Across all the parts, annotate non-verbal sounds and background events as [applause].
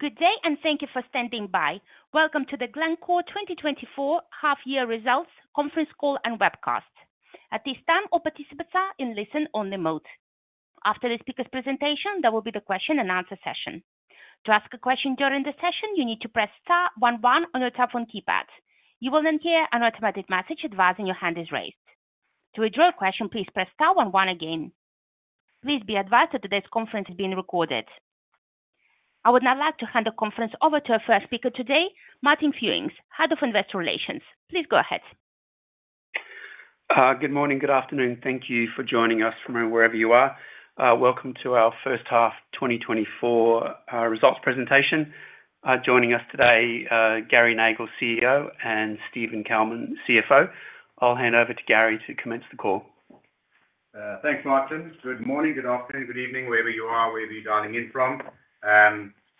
Good day, and thank you for standing by. Welcome to the Glencore 2024 Half-Year Results Conference Call and Webcast. At this time, all participants are in listen-only mode. After the speaker's presentation, there will be the question-and-answer session. To ask a question during the session, you need to press star one one on your telephone keypad. You will then hear an automatic message advising your hand is raised. To withdraw your question, please press star one one again. Please be advised that today's conference is being recorded. I would now like to hand the conference over to our first speaker today, Martin Fewings, Head of Investor Relations. Please go ahead. Good morning, good afternoon. Thank you for joining us from wherever you are. Welcome to our first half 2024 results presentation. Joining us today, Gary Nagle, CEO, and Steven Kalmin, CFO. I'll hand over to Gary to commence the call. Thanks, Martin. Good morning, good afternoon, good evening, wherever you are, wherever you're dialing in from.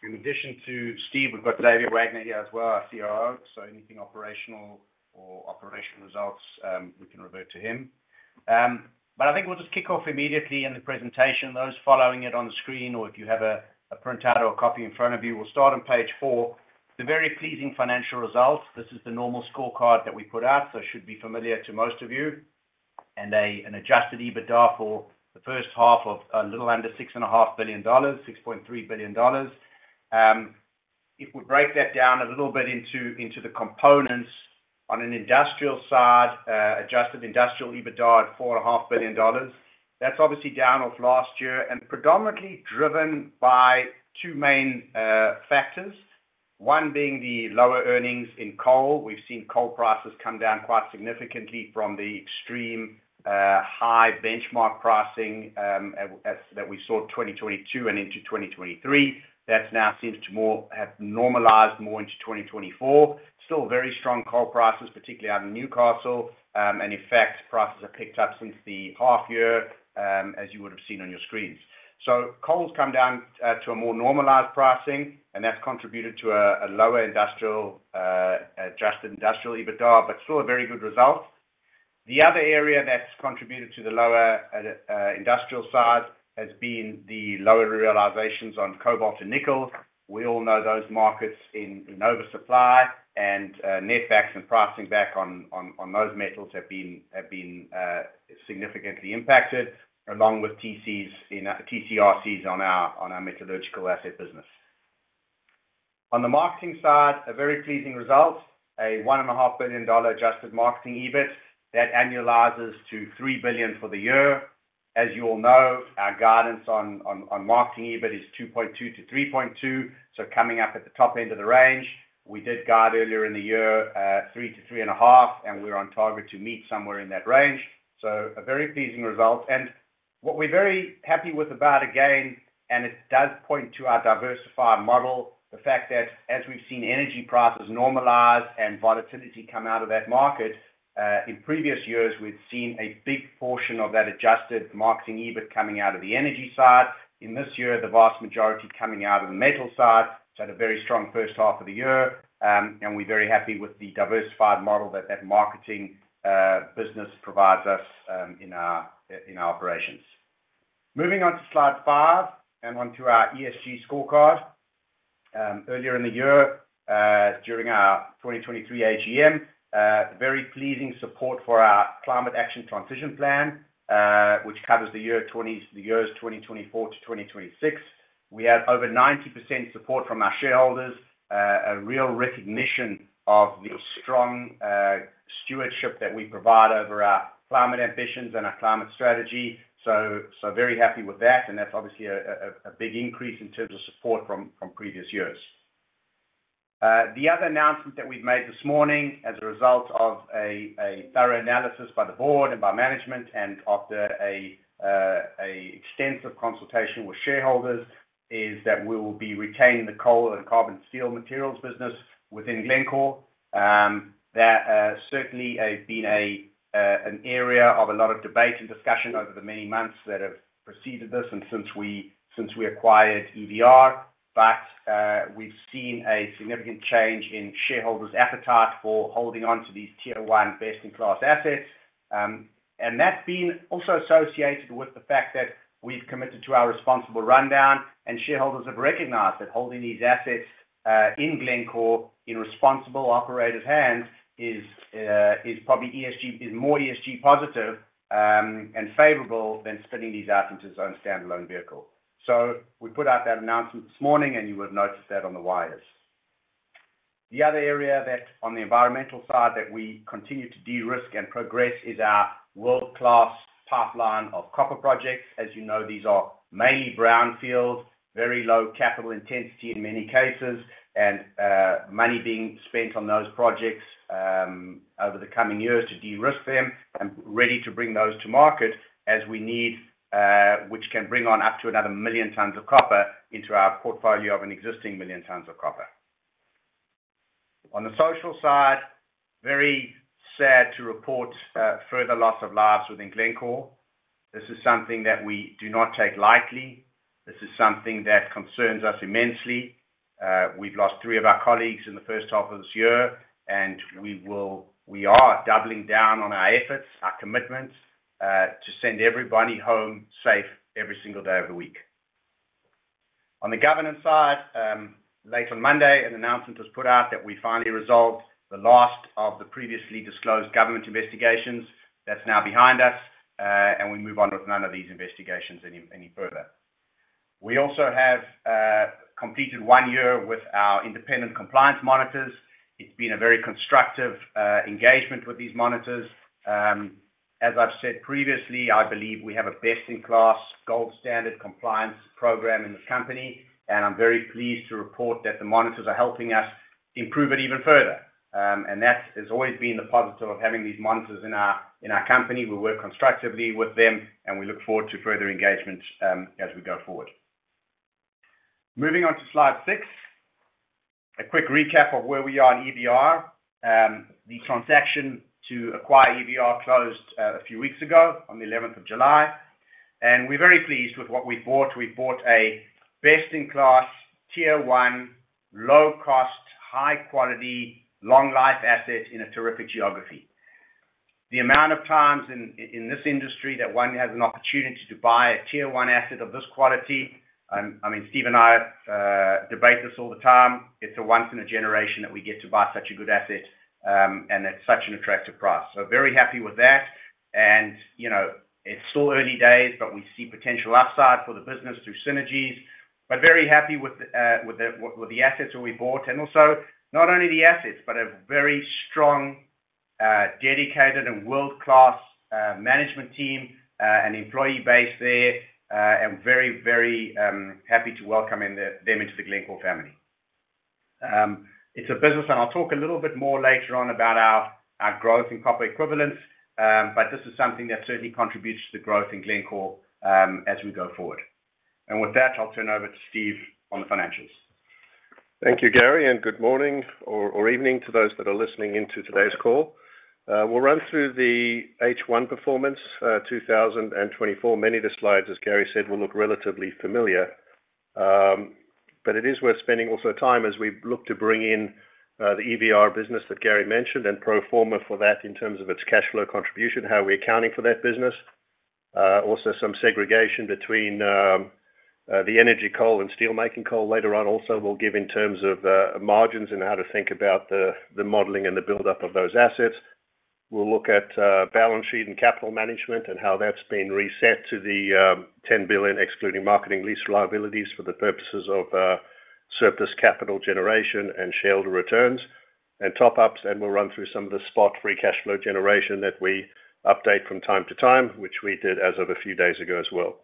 In addition to Steve, we've got David Wagner here as well, our CRO, so anything operational or operational results, we can revert to him. But I think we'll just kick off immediately in the presentation. Those following it on the screen, or if you have a printout or a copy in front of you, we'll start on page 4. The very pleasing financial results. This is the normal scorecard that we put out, so it should be familiar to most of you. And an Adjusted EBITDA for the first half of a little under $6.5 billion, $6.3 billion. If we break that down a little bit into the components, on an industrial side, adjusted industrial EBITDA of $4.5 billion. That's obviously down off last year and predominantly driven by two main factors. One being the lower earnings in coal. We've seen coal prices come down quite significantly from the extreme high benchmark pricing as that we saw in 2022 and into 2023. That's now seems to more have normalized into 2024. Still very strong coal prices, particularly out in Newcastle, and in fact, prices have picked up since the half year, as you would have seen on your screens. So coal's come down to a more normalized pricing, and that's contributed to a lower industrial adjusted industrial EBITDA, but still a very good result. The other area that's contributed to the lower industrial side has been the lower realizations on cobalt and nickel. We all know those markets in oversupply and netbacks and pricing back on those metals have been significantly impacted, along with TCs and RCs on our metallurgical asset business. On the marketing side, a very pleasing result. A $1.5 billion adjusted marketing EBIT that annualizes to $3 billion for the year. As you all know, our guidance on marketing EBIT is $2.2 billion-$3.2 billion, so coming up at the top end of the range. We did guide earlier in the year three to three and a half, and we're on target to meet somewhere in that range. So a very pleasing result. And what we're very happy with about, again, and it does point to our diversified model, the fact that as we've seen energy prices normalize and volatility come out of that market, in previous years, we've seen a big portion of that Adjusted marketing EBIT coming out of the energy side. In this year, the vast majority coming out of the metal side, so had a very strong first half of the year. And we're very happy with the diversified model that that marketing business provides us, in our operations. Moving on to slide 5, and onto our ESG scorecard. Earlier in the year, during our 2023 AGM, a very pleasing support for our Climate Action Transition Plan, which covers the years 2024 to 2026. We had over 90% support from our shareholders. A real recognition of the strong stewardship that we provide over our climate ambitions and our climate strategy. So very happy with that, and that's obviously a big increase in terms of support from previous years. The other announcement that we've made this morning as a result of a thorough analysis by the board and by management, and after an extensive consultation with shareholders, is that we will be retaining the coal and carbon steel materials business within Glencore. That has certainly been an area of a lot of debate and discussion over the many months that have preceded this and since we acquired EVR. But we've seen a significant change in shareholders' appetite for holding onto these Tier one best-in-class assets. And that's been also associated with the fact that we've committed to our responsible rundown, and shareholders have recognized that holding these assets, in Glencore, in responsible operators' hands is, is probably ESG, is more ESG positive, and favorable than spinning these out into its own standalone vehicle. So we put out that announcement this morning, and you would have noticed that on the wires. The other area that on the environmental side, that we continue to de-risk and progress is our world-class pipeline of copper projects. As you know, these are mainly brownfield, very low capital intensity in many cases, and, money being spent on those projects, over the coming years to de-risk them and ready to bring those to market as we need, which can bring on up to another 1 million tons of copper into our portfolio of an existing 1 million tons of copper. On the social side, very sad to report, further loss of lives within Glencore. This is something that we do not take lightly. This is something that concerns us immensely. We've lost three of our colleagues in the first half of this year, and we are doubling down on our efforts, our commitments, to send everybody home safe every single day of the week. On the governance side, late on Monday, an announcement was put out that we finally resolved the last of the previously disclosed government investigations. That's now behind us, and we move on with none of these investigations any further. We also have completed one year with our independent compliance monitors. It's been a very constructive engagement with these monitors. As I've said previously, I believe we have a best-in-class, gold standard compliance program in the company, and I'm very pleased to report that the monitors are helping us improve it even further. That has always been the positive of having these monitors in our, in our company. We work constructively with them, and we look forward to further engagement, as we go forward. Moving on to Slide six, a quick recap of where we are on EVR. The transaction to acquire EVR closed, a few weeks ago, on the eleventh of July, and we're very pleased with what we bought. We bought a best-in-class, Tier one, low-cost, high-quality, long-life asset in a terrific geography. The amount of times in this industry that one has an opportunity to buy a Tier one asset of this quality, I mean, Steve and I, debate this all the time, it's a once in a generation that we get to buy such a good asset, and at such an attractive price. So very happy with that. And, you know, it's still early days, but we see potential upside for the business through synergies. But very happy with the, with the assets that we bought. And also, not only the assets, but a very strong, dedicated and world-class, management team, and employee base there, and very, very, happy to welcome them into the Glencore family. It's a business, and I'll talk a little bit more later on about our growth in copper equivalents, but this is something that certainly contributes to growth in Glencore, as we go forward. And with that, I'll turn over to Steve on the financials. Thank you, Gary, and good morning or evening to those that are listening in to today's call. We'll run through the H1 performance, 2024. Many of the slides, as Gary said, will look relatively familiar. But it is worth spending also time as we look to bring in, the EVR business that Gary mentioned, and pro forma for that in terms of its cash flow contribution, how we're accounting for that business. Also some segregation between, the energy coal and steelmaking coal later on. Also, we'll give in terms of, margins and how to think about the modeling and the buildup of those assets. We'll look at balance sheet and capital management, and how that's been reset to the $10 billion, excluding marketing lease liabilities for the purposes of surplus capital generation and shareholder returns, and top-ups, and we'll run through some of the spot-free cash flow generation that we update from time to time, which we did as of a few days ago as well.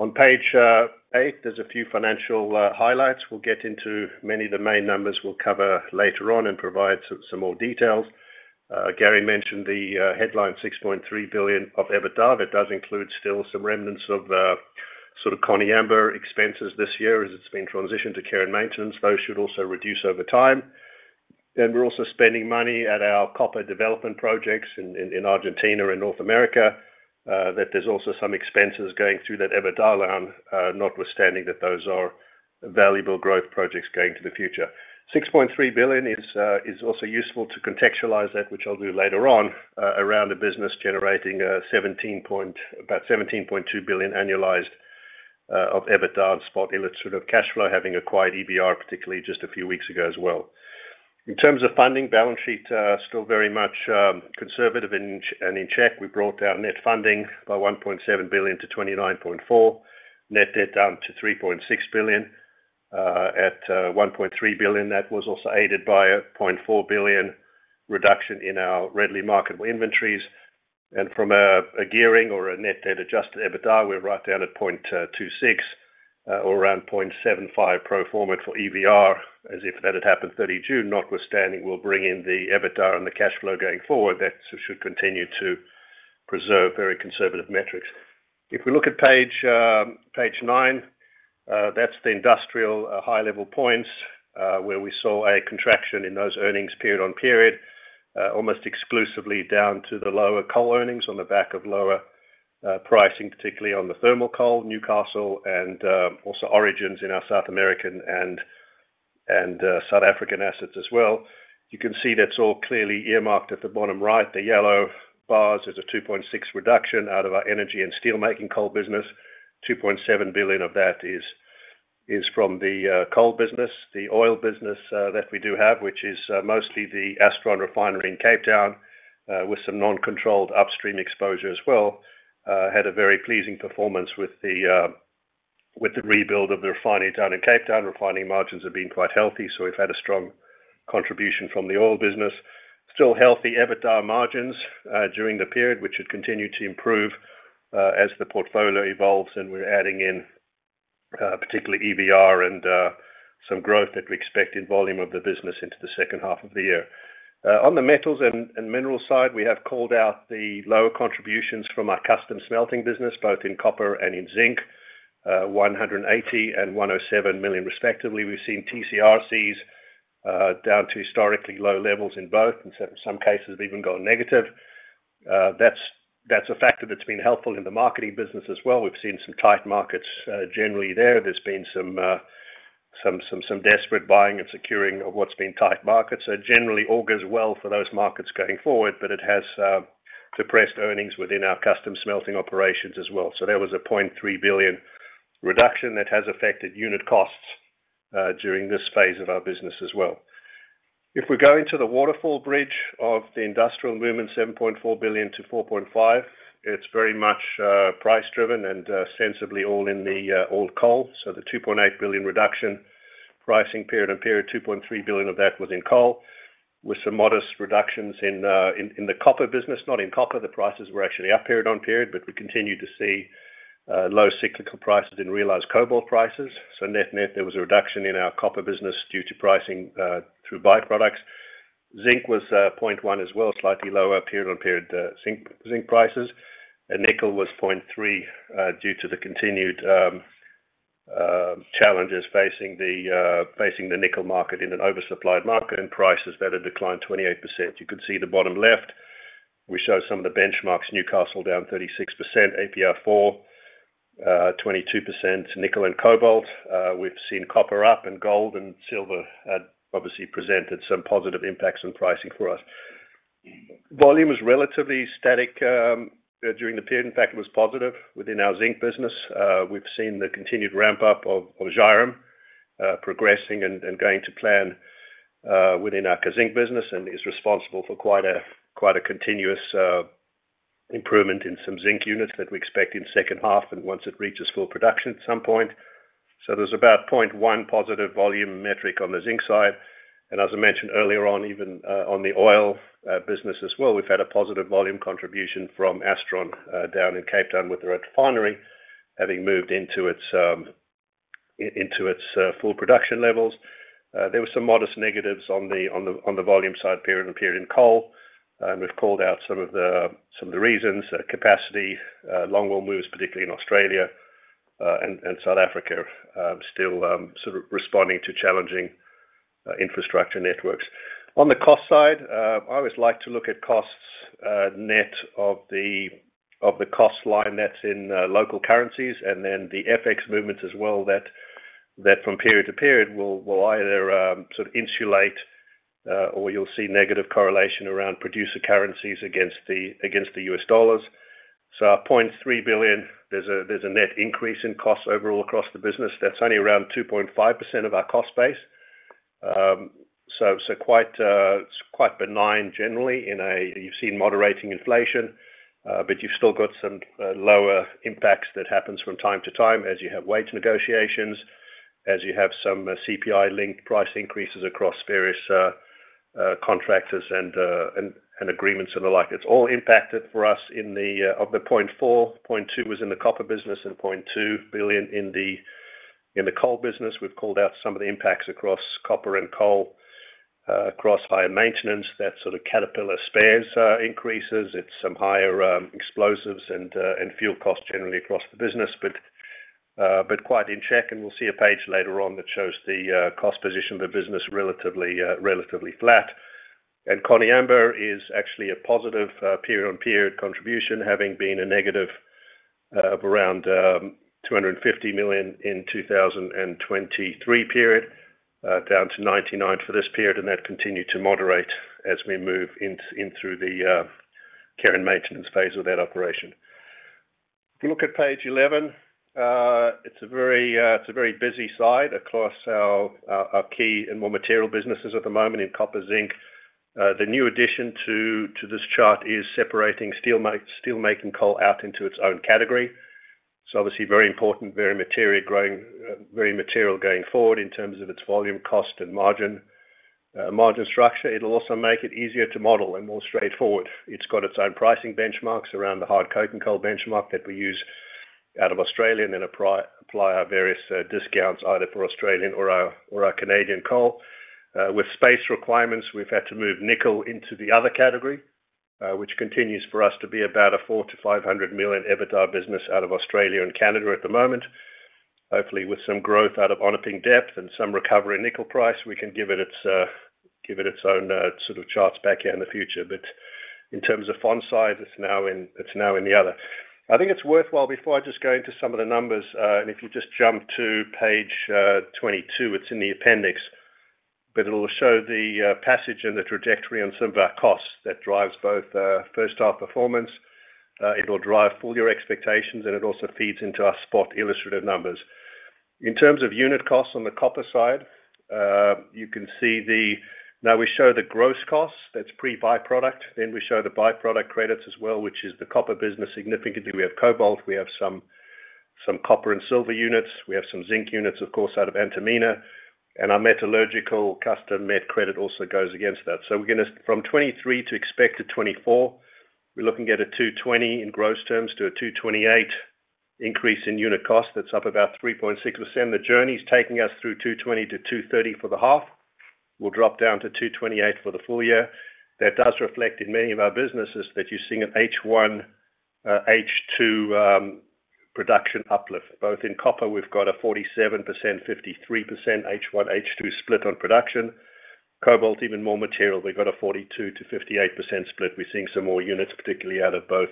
On page, there's a few financial highlights. We'll get into many of the main numbers we'll cover later on and provide some more details. Gary mentioned the headline, $6.3 billion of EBITDA. That does include still some remnants of sort of Koniambo expenses this year, as it's been transitioned to care and maintenance. Those should also reduce over time. Then we're also spending money at our copper development projects in Argentina and North America, that there's also some expenses going through that EBITDA line, notwithstanding that those are valuable growth projects going to the future. $6.3 billion is also useful to contextualize that, which I'll do later on, around the business generating about $17.2 billion annualized of EBITDA and spot illustrative free cash flow, having acquired EVR, particularly just a few weeks ago as well. In terms of funding, balance sheet, still very much conservative and in check. We brought down net funding by $1.7 billion-$29.4 billion. Net debt down to $3.6 billion, at $1.3 billion. That was also aided by a $0.4 billion reduction in our readily marketable inventories. From a gearing or a net debt adjusted EBITDA, we're right down at 0.26 or around 0.75 pro forma for EVR, as if that had happened 30 June. Notwithstanding, we'll bring in the EBITDA and the cash flow going forward. That should continue to preserve very conservative metrics. If we look at page nine, that's the industrial high level points, where we saw a contraction in those earnings period-on-period, almost exclusively down to the lower coal earnings on the back of lower pricing, particularly on the thermal coal, Newcastle and also Origins in our South American and South African assets as well. You can see that's all clearly earmarked at the bottom right. The yellow bars is a $2.6 billion reduction out of our energy and steelmaking coal business. $2.7 billion of that is from the coal business. The oil business that we do have, which is mostly the Astron Refinery in Cape Town, with some non-controlled upstream exposure as well, had a very pleasing performance with the rebuild of the refinery down in Cape Town. Refining margins have been quite healthy, so we've had a strong contribution from the oil business. Still healthy EBITDA margins during the period, which should continue to improve as the portfolio evolves, and we're adding in particularly EVR and some growth that we expect in volume of the business into the second half of the year. On the metals and minerals side, we have called out the lower contributions from our custom smelting business, both in copper and in zinc, $180 million and $107 million, respectively. We've seen TCRCs down to historically low levels in both; in some cases have even gone negative. That's a factor that's been helpful in the marketing business as well. We've seen some tight markets generally there. There's been some desperate buying and securing of what's been tight markets. So generally, all goes well for those markets going forward, but it has depressed earnings within our custom smelting operations as well. So there was a $0.3 billion reduction that has affected unit costs during this phase of our business as well. If we go into the waterfall bridge of the industrial movement, $7.4 billion-$4.5 billion, it's very much price driven and sensibly all in the old coal. So the $2.8 billion reduction, pricing period on period, $2.3 billion of that was in coal, with some modest reductions in the, in, in the copper business, not in copper. The prices were actually up period on period, but we continued to see low cyclical prices in realized cobalt prices. So net-net, there was a reduction in our copper business due to pricing through byproducts. Zinc was point one as well, slightly lower period on period, zinc, zinc prices. Nickel was 0.3 due to the continued challenges facing the nickel market in an oversupplied market and prices that have declined 28%. You can see the bottom left, we show some of the benchmarks, Newcastle down 36%, API 4 22%, nickel and cobalt. We've seen copper up, and gold and silver had obviously presented some positive impacts on pricing for us. Volume is relatively static during the period. In fact, it was positive within our zinc business. We've seen the continued ramp up of Zhairem progressing and going to plan within our Kazzinc business and is responsible for quite a continuous improvement in some zinc units that we expect in second half and once it reaches full production at some point. So there's about 0.1 positive volume metric on the zinc side. And as I mentioned earlier on, even on the oil business as well, we've had a positive volume contribution from Astron down in Cape Town, with the refinery having moved into its full production levels. There were some modest negatives on the volume side, period-on-period in coal. And we've called out some of the reasons, capacity longwall moves, particularly in Australia and South Africa, still sort of responding to challenging infrastructure networks. On the cost side, I always like to look at costs net of the cost line that's in local currencies, and then the FX movements as well, that from period to period will either sort of insulate or you'll see negative correlation around producer currencies against the US dollars. So our $0.3 billion, there's a net increase in costs overall across the business. That's only around 2.5% of our cost base. So quite, it's quite benign generally in a-- you've seen moderating inflation, but you've still got some lower impacts that happens from time to time as you have wage negotiations, as you have some CPI-linked price increases across various contractors and agreements and the like. It's all impacted for us in the $0.4 billion, $0.2 billion was in the copper business and $0.2 billion in the coal business. We've called out some of the impacts across copper and coal, across higher maintenance. That's sort of Caterpillar spares increases. It's some higher explosives and fuel costs generally across the business, but quite in check, and we'll see a page later on that shows the cost position of the business relatively flat. And Koniambo is actually a positive period-on-period contribution, having been a negative of around $250 million in 2023 period, down to $99 million for this period, and that continued to moderate as we move in through the care and maintenance phase of that operation. If you look at page eleven, it's a very, it's a very busy slide across our, our key and more material businesses at the moment in copper, zinc. The new addition to, to this chart is separating steelmaking coal out into its own category. So obviously very important, very material growing, very material going forward in terms of its volume, cost, and margin, margin structure. It'll also make it easier to model and more straightforward. It's got its own pricing benchmarks around the hard coking coal benchmark that we use out of Australia, and then apply our various, discounts either for Australian or our, or our Canadian coal. With space requirements, we've had to move nickel into the other category, which continues for us to be about a $400 million-$500 million EBITDA business out of Australia and Canada at the moment. Hopefully, with some growth out of Onaping Depth and some recovery in nickel price, we can give it its own sort of charts back here in the future. But in terms of font size, it's now in the other. I think it's worthwhile, before I just go into some of the numbers, and if you just jump to page 22, it's in the appendix. But it'll show the passage and the trajectory on some of our costs that drives both first half performance, it'll drive full year expectations, and it also feeds into our spot illustrative numbers. In terms of unit costs on the copper side, you can see the... Now, we show the gross costs, that's pre-byproduct, then we show the byproduct credits as well, which is the copper business. Significantly, we have cobalt, we have some copper and silver units, we have some zinc units, of course, out of Antamina, and our metallurgical custom met credit also goes against that. So we're gonna-- from 2023 to expected 2024, we're looking at a $220 in gross terms to a $228 increase in unit cost. That's up about 3.6%. The journey is taking us through $220-$230 for the half, will drop down to $228 for the full year. That does reflect in many of our businesses that you're seeing a H1, H2 production uplift. Both in copper, we've got a 47%-53% H1, H2 split on production. Cobalt, even more material, we've got a 42%-58% split. We're seeing some more units, particularly out of both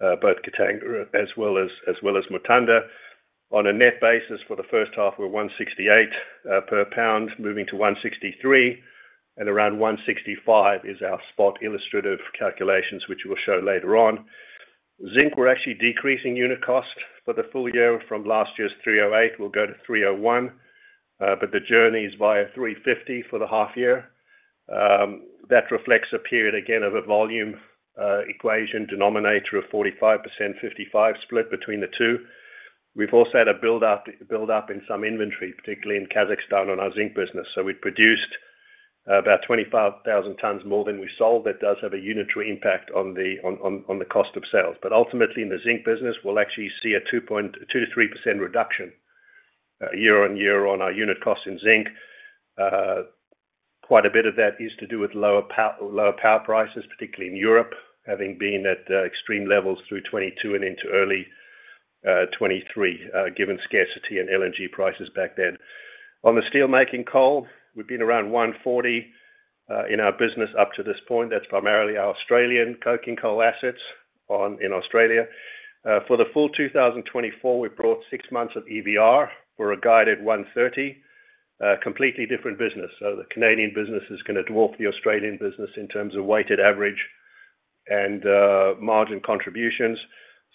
Katanga as well as, as well as Mutanda. On a net basis for the first half, we're $1.68 per pound, moving to $1.63, and around $1.65 is our spot illustrative calculations, which we'll show later on. Zinc, we're actually decreasing unit cost for the full year from last year's 3.08, we'll go to 3.01. But the journey is via 3.50 for the half year. That reflects a period, again, of a volume equation denominator of 45%-55% split between the two. We've also had a build up in some inventory, particularly in Kazakhstan, on our zinc business. So we produced about 25,000 tons more than we sold. That does have a unitary impact on the cost of sales. But ultimately, in the zinc business, we'll actually see a 2%-3% reduction year-on-year on our unit cost in zinc. Quite a bit of that is to do with lower power prices, particularly in Europe, having been at extreme levels through 2022 and into early 2023, given scarcity and LNG prices back then. On the steelmaking coal, we've been around $140 in our business up to this point. That's primarily our Australian coking coal assets in Australia. For the full 2024, we brought six months of EVR. We're guiding 130, completely different business. So the Canadian business is gonna dwarf the Australian business in terms of weighted average and margin contributions.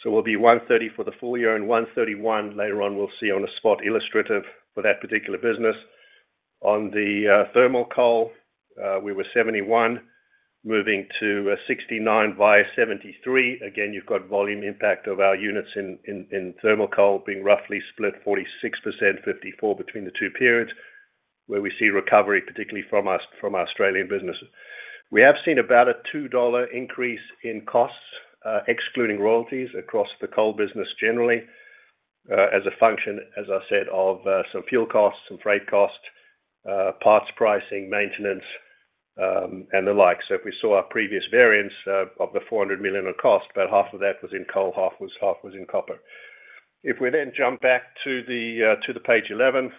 So we'll be 130 for the full year and 131 later on, we'll see on a spot illustrative for that particular business. On the thermal coal, we were 71, moving to 69 via 73. Again, you've got volume impact of our units in thermal coal being roughly split 46%-54% between the two periods, where we see recovery, particularly from our Australian business. We have seen about a $2 increase in costs, excluding royalties across the coal business generally, as a function, as I said, of, some fuel costs, some freight costs, parts pricing, maintenance, and the like. So if we saw our previous variance, of the $400 million in cost, about half of that was in coal, half was- half was in copper. If we then jump back to the, to the page eleven,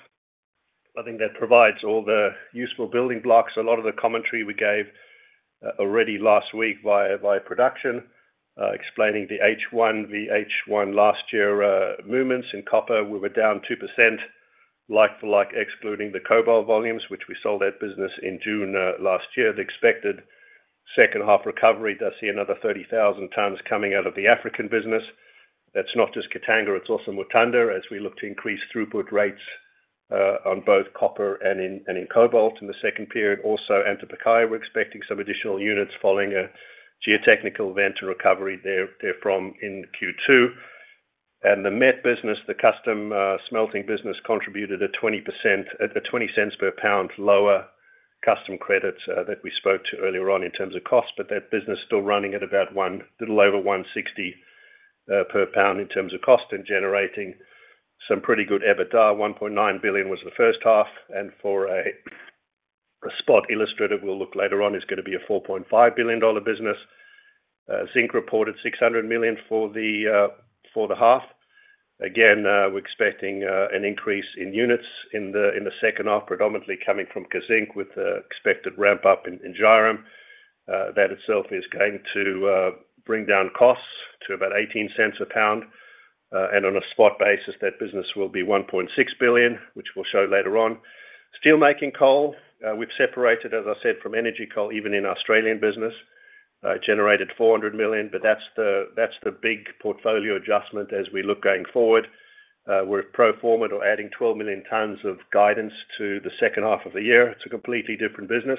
I think that provides all the useful building blocks. A lot of the commentary we gave, already last week via, via production, explaining the H1, the H1 last year, movements. In copper, we were down 2%, like for like, excluding the cobalt volumes, which we sold that business in June, last year. The expected second half recovery does see another 30,000 tons coming out of the African business. That's not just Katanga, it's also Mutanda, as we look to increase throughput rates on both copper and cobalt in the second period. Also, Antamina, we're expecting some additional units following a geotechnical event and recovery therefrom in Q2. And the met business, the custom smelting business, contributed a 20%- at a $0.20 per pound lower custom credits that we spoke to earlier on in terms of cost, but that business is still running at about little over 160 per pound in terms of cost and generating some pretty good EBITDA. $1.9 billion was the first half, and for a spot illustrative, we'll look later on, is gonna be a $4.5 billion business. Zinc reported $600 million for the half. Again, we're expecting an increase in units in the second half, predominantly coming from Kazzinc, with the expected ramp-up in Zhairem. That itself is going to bring down costs to about $0.18 a pound, and on a spot basis, that business will be $1.6 billion, which we'll show later on. Steelmaking coal, we've separated, as I said, from energy coal, even in Australian business, generated $400 million, but that's the big portfolio adjustment as we look going forward. We're pro forma to adding 12 million tons of guidance to the second half of the year. It's a completely different business.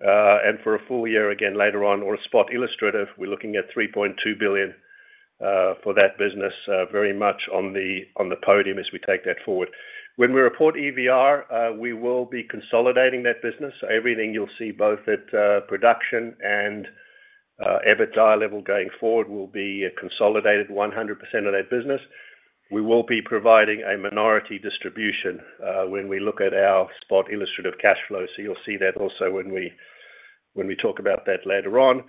And for a full year, again, later on, or a spot illustrative, we're looking at $3.2 billion for that business, very much on the podium as we take that forward. When we report EVR, we will be consolidating that business. Everything you'll see, both at production and EBITDA level going forward, will be a consolidated 100% of that business. We will be providing a minority distribution when we look at our spot illustrative cash flow, so you'll see that also when we talk about that later on.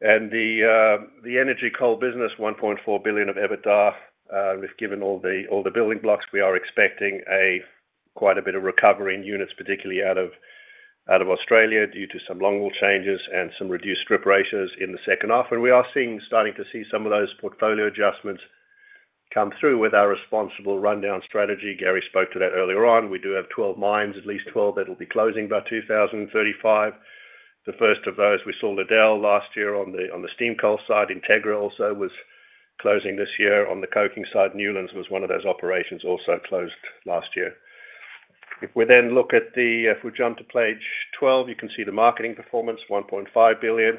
The energy coal business, $1.4 billion of EBITDA, we've given all the building blocks. We are expecting quite a bit of recovery in units, particularly out of, out of Australia, due to some longwall changes and some reduced strip ratios in the second half. We are seeing starting to see some of those portfolio adjustments come through with our responsible rundown strategy. Gary spoke to that earlier on. We do have 12 mines, at least 12, that will be closing by 2035. The first of those, we saw Liddell last year on the steam coal side. Integra also was closing this year. On the coking side, Newlands was one of those operations, also closed last year. If we then look at the, if we jump to page 12, you can see the marketing performance, $1.5 billion.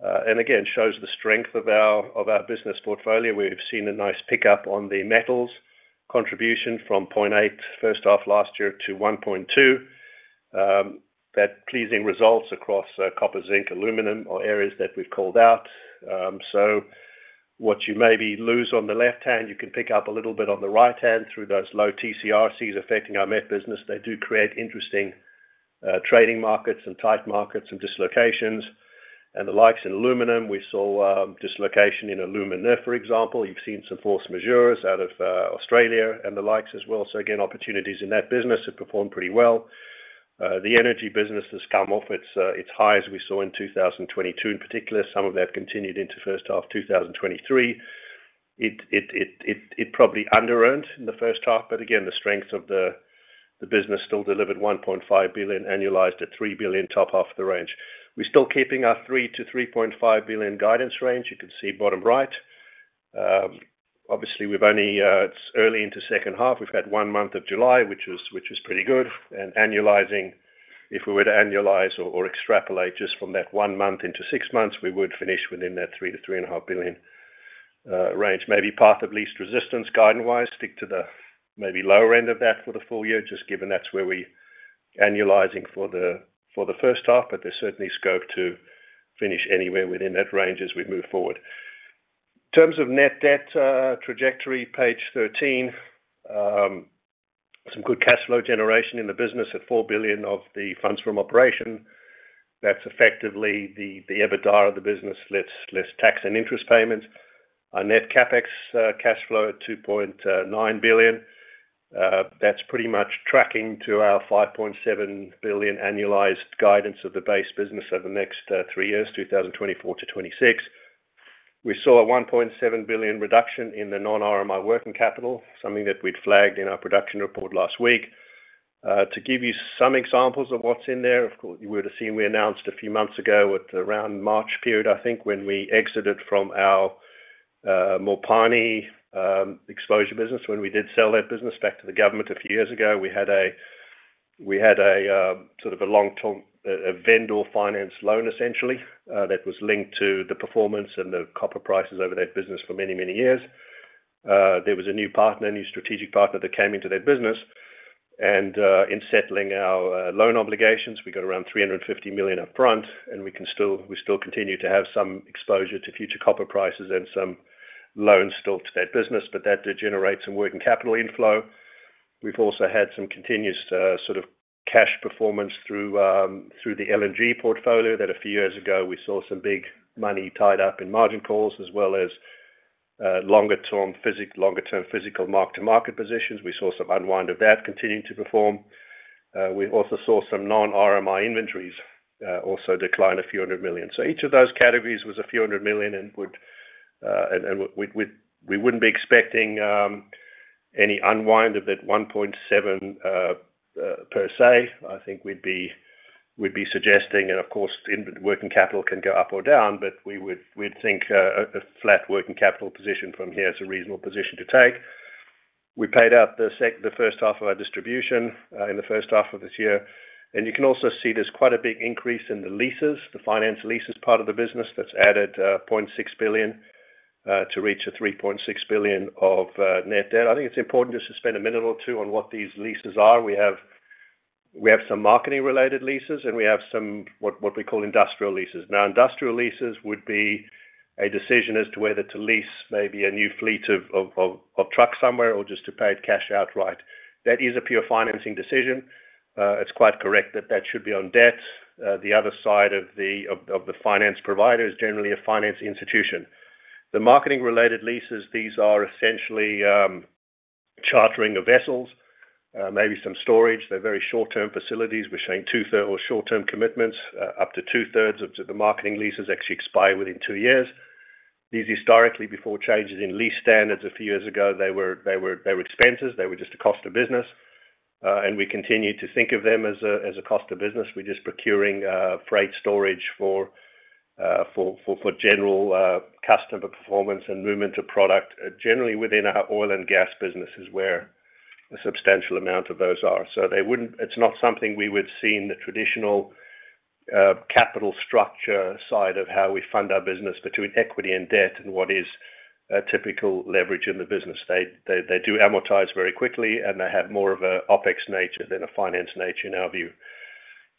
And again, shows the strength of our business portfolio. We've seen a nice pickup on the metals contribution from $0.8, first half last year, to $1.2. That pleasing results across copper, zinc, aluminum are areas that we've called out. So what you maybe lose on the left hand, you can pick up a little bit on the right hand through those low TC/RCs affecting our met business. They do create interesting trading markets and tight markets and dislocations and the like. In aluminum, we saw dislocation in alumina, for example. You've seen some force majeures out of Australia and the like as well. So again, opportunities in that business have performed pretty well. The energy business has come off its highs we saw in 2022, in particular, some of that continued into first half 2023. It probably underearned in the first half, but again, the strength of the business still delivered $1.5 billion annualized at $3 billion top half of the range. We're still keeping our $3 billion-$3.5 billion guidance range, you can see bottom right. Obviously, we've only, it's early into second half. We've had one month of July, which was pretty good, and annualizing, if we were to annualize or extrapolate just from that one month into six months, we would finish within that $3 billion-$3.5 billion range. Maybe path of least resistance, guidance-wise, stick to the maybe lower end of that for the full year, just given that's where we annualizing for the first half, but there's certainly scope to finish anywhere within that range as we move forward. In terms of net debt trajectory, page 13, some good cash flow generation in the business at $4 billion of the funds from operation. That's effectively the EBITDA of the business, less tax and interest payments. Our net CapEx cash flow at $2.9 billion. That's pretty much tracking to our $5.7 billion annualized guidance of the base business over the next three years, 2024 to 2026. We saw a $1.7 billion reduction in the non-RMI working capital, something that we'd flagged in our production report last week. To give you some examples of what's in there, of course, you would have seen we announced a few months ago, at around March period, I think, when we exited from our Mopani exposure business. When we did sell that business back to the government a few years ago, we had a sort of long-term vendor finance loan, essentially, that was linked to the performance and the copper prices over that business for many, many years. There was a new partner, a new strategic partner, that came into that business, and in settling our loan obligations, we got around $350 million upfront, and we still continue to have some exposure to future copper prices and some loans still to that business, but that did generate some working capital inflow. We've also had some continuous, sort of cash performance through, through the LNG portfolio, that a few years ago, we saw some big money tied up in margin calls, as well as, longer-term physical mark-to-market positions. We saw some unwind of that continuing to perform. We also saw some non-RMI inventories, also decline a few hundred million. So each of those categories was a few hundred million and would, and we wouldn't be expecting, any unwind of that $1.7, per se. I think we'd be, we'd be suggesting, and of course, in working capital can go up or down, but we would, we'd think, a flat working capital position from here is a reasonable position to take. We paid out the first half of our distribution in the first half of this year, and you can also see there's quite a big increase in the leases, the finance leases part of the business, that's added $0.6 billion to reach a $3.6 billion of net debt. I think it's important just to spend a minute or two on what these leases are. We have some marketing-related leases, and we have some what we call industrial leases. Now, industrial leases would be a decision as to whether to lease maybe a new fleet of trucks somewhere or just to pay it cash outright. That is a pure financing decision. It's quite correct that that should be on debt. The other side of the finance provider is generally a finance institution. The marketing-related leases, these are essentially chartering of vessels, maybe some storage. They're very short-term facilities. We're seeing two-thirds or short-term commitments, up to two-thirds of the marketing leases actually expire within two years. These historically, before changes in lease standards a few years ago, they were expenses, they were just a cost of business, and we continued to think of them as a cost of business. We're just procuring freight storage for general customer performance and movement of product, generally within our oil and gas businesses, where a substantial amount of those are. So they wouldn't. It's not something we would see in the traditional capital structure side of how we fund our business between equity and debt and what is a typical leverage in the business. They do amortize very quickly, and they have more of a OpEx nature than a finance nature, in our view.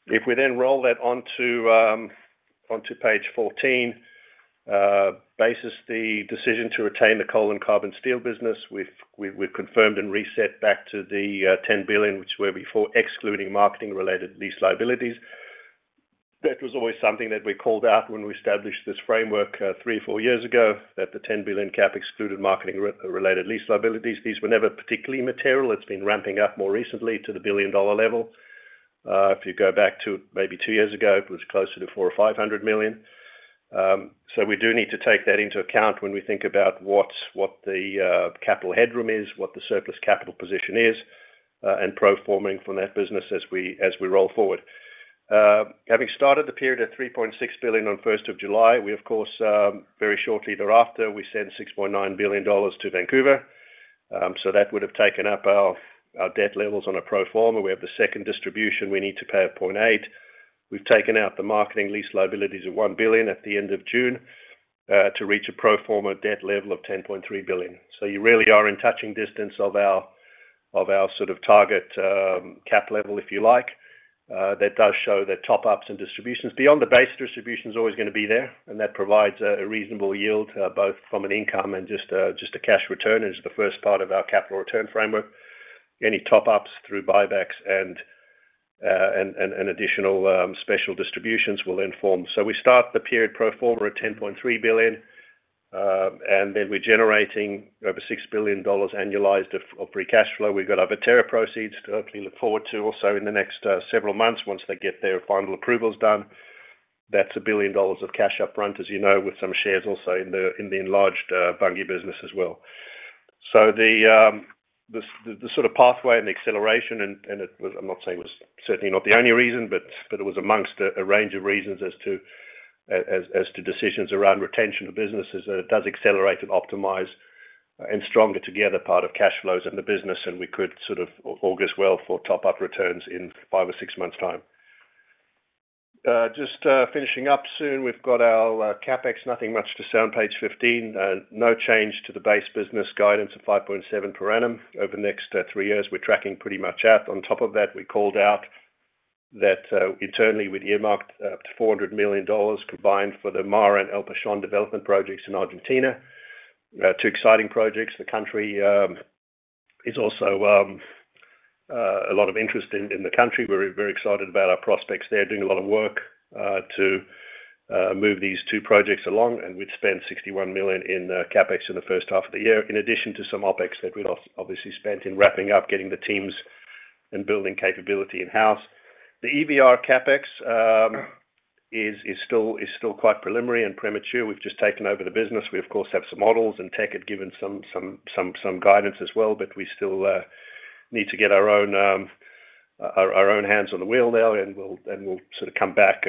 If we then roll that onto page 14, basis the decision to retain the coal and carbon steel business, we've confirmed and reset back to the $10 billion, which were before excluding marketing-related lease liabilities. That was always something that we called out when we established this framework 3, 4 years ago, that the $10 billion cap excluded marketing-related lease liabilities. These were never particularly material. It's been ramping up more recently to the billion-dollar level. If you go back to maybe two years ago, it was closer to $400 million-$500 million. So we do need to take that into account when we think about what the capital headroom is, what the surplus capital position is, and pro forma from that business as we roll forward. Having started the period at $3.6 billion on July 1, we, of course, very shortly thereafter, sent $6.9 billion to Vancouver. So that would have taken up our debt levels on a pro forma. We have the second distribution we need to pay of $0.8 billion. We've taken out the marketing lease liabilities of $1 billion at the end of June, to reach a pro forma debt level of $10.3 billion. So you really are in touching distance of our, of our sort of target, cap level, if you like. That does show that top-ups and distributions. Beyond the base distribution is always gonna be there, and that provides a, a reasonable yield, both from an income and just a, just a cash return, as the first part of our capital return framework. Any top-ups through buybacks and, and additional special distributions will then form. So we start the period pro forma at $10.3 billion. And then we're generating over $6 billion annualized of free cash flow. We've got other Teck proceeds to hopefully look forward to also in the next several months, once they get their final approvals done. That's $1 billion of cash up front, as you know, with some shares also in the enlarged Bunge business as well. So the sort of pathway and acceleration, and it was-- I'm not saying it was certainly not the only reason, but it was amongst a range of reasons as to decisions around retention of businesses, that it does accelerate and optimize and stronger together part of cash flows in the business. And we could sort of augur well for top-up returns in 5 or 6 months time. Just finishing up soon, we've got our CapEx, nothing much to see on page 15. No change to the base business guidance of 5.7 per annum. Over the next 3 years, we're tracking pretty much out. On top of that, we called out that internally we'd earmarked up to $400 million combined for the Mara and El Pachón development projects in Argentina. Two exciting projects. The country is also a lot of interest in the country. We're very excited about our prospects there. Doing a lot of work to move these two projects along, and we'd spent $61 million in CapEx in the first half of the year, in addition to some OpEx that we'd obviously spent in wrapping up, getting the teams and building capability in-house. The EVR CapEx is still quite preliminary and premature. We've just taken over the business. We, of course, have some models, and Teck had given some guidance as well, but we still need to get our own hands on the wheel now, and we'll sort of come back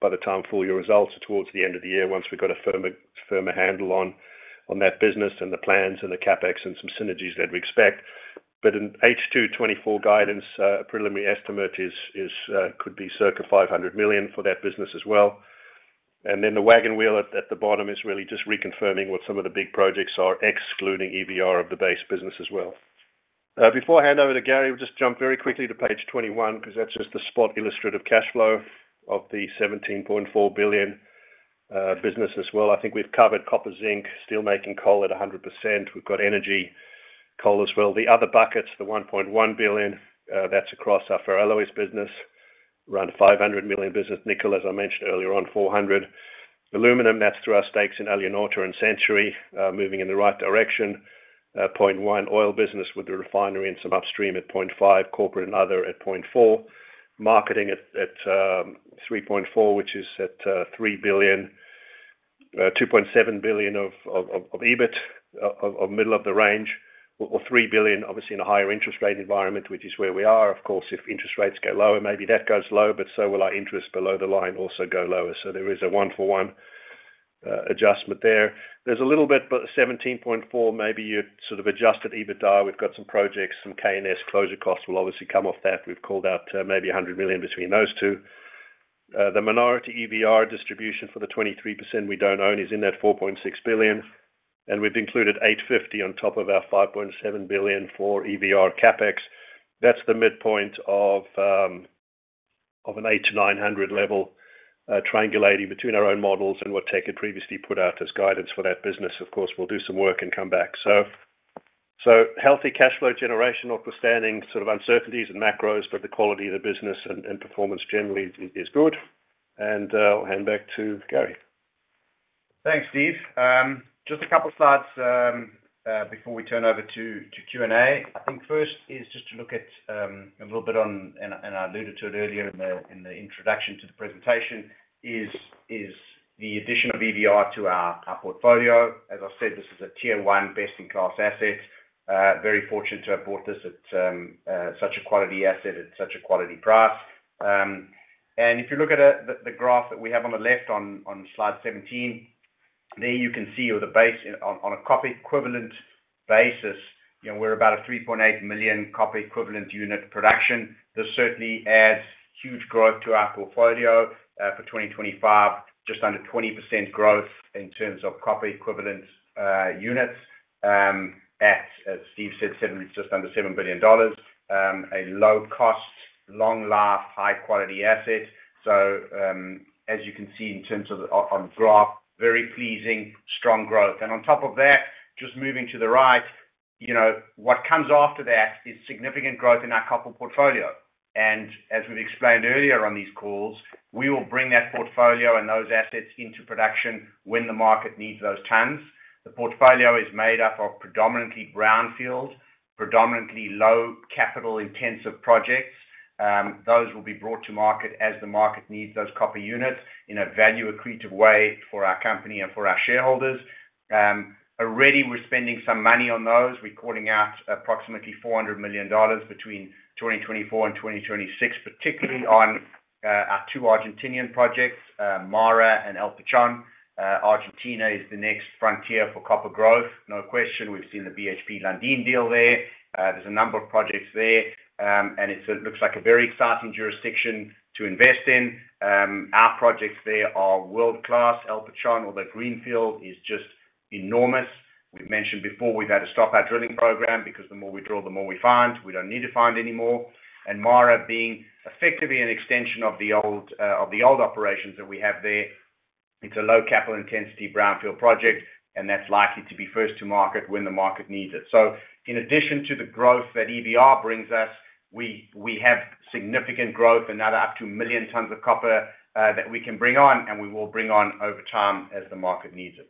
by the time full year results towards the end of the year, once we've got a firmer handle on that business and the plans and the CapEx and some synergies that we expect. But in H2 2024 guidance, preliminary estimate is could be circa $500 million for that business as well. And then the wagon wheel at the bottom is really just reconfirming what some of the big projects are, excluding EVR of the base business as well. Before I hand over to Gary, we'll just jump very quickly to page 21, because that's just the spot illustrative cash flow of the $17.4 billion business as well. I think we've covered copper, zinc, steelmaking coal at 100%. We've got energy coal as well. The other buckets, the $1.1 billion, that's across our ferroalloys business, around $500 million business. Nickel, as I mentioned earlier, around $400 million. Aluminum, that's through our stakes in Alunorte and Century, moving in the right direction. $0.1 billion, oil business with the refinery and some upstream at $0.5 billion, corporate and other at $0.4 billion. Marketing at 3.4, which is at $3 billion, $2.7 billion of EBIT, of middle of the range, or $3 billion, obviously, in a higher interest rate environment, which is where we are. Of course, if interest rates go lower, maybe that goes low, but so will our interest below the line also go lower. So there is a one-for-one adjustment there. There's a little bit, but 17.4, maybe you sort of adjusted EBITDA. We've got some projects, some KNS closure costs will obviously come off that. We've called out maybe $100 million between those two. The minority EVR distribution for the 23% we don't own is in that $4.6 billion, and we've included $850 million on top of our $5.7 billion for EVR CapEx. That's the midpoint of an 800-900 level, triangulating between our own models and what Teck had previously put out as guidance for that business. Of course, we'll do some work and come back. Healthy cash flow generation notwithstanding sort of uncertainties and macros, but the quality of the business and performance generally is good. And, I'll hand back to Gary. Thanks, Steve. Just a couple of slides before we turn over to Q&A. I think first is just to look at a little bit on, and I alluded to it earlier in the introduction to the presentation, is the addition of EVR to our portfolio. As I said, this is a tier one best-in-class asset. Very fortunate to have bought this at such a quality asset at such a quality price. And if you look at the graph that we have on the left on slide 17, there you can see with the base on a copper equivalent basis, you know, we're about a 3.8 million copper equivalent unit production. This certainly adds huge growth to our portfolio, for 2025, just under 20% growth in terms of copper equivalent units, as Steve said, just under $7 billion. A low cost, long life, high quality asset. So, as you can see on the graph, very pleasing, strong growth. And on top of that, just moving to the right, you know, what comes after that is significant growth in our copper portfolio. And as we've explained earlier on these calls, we will bring that portfolio and those assets into production when the market needs those tons. The portfolio is made up of predominantly brownfield, predominantly low capital-intensive projects. Those will be brought to market as the market needs those copper units in a value-accretive way for our company and for our shareholders. Already we're spending some money on those. We're calling out approximately $400 million between 2024 and 2026, particularly on our two Argentinian projects, Mara and El Pachón. Argentina is the next frontier for copper growth. No question. We've seen the BHP Lundin deal there. There's a number of projects there, and it sort of looks like a very exciting jurisdiction to invest in. Our projects there are world-class. El Pachón, although greenfield, is just enormous. We've mentioned before, we've had to stop our drilling program because the more we drill, the more we find. We don't need to find any more. And Mara being effectively an extension of the old, of the old operations that we have there, it's a low capital intensity brownfield project, and that's likely to be first to market when the market needs it. So in addition to the growth that EVR brings us, we, we have significant growth, another up to 1 million tons of copper, that we can bring on and we will bring on over time as the market needs it.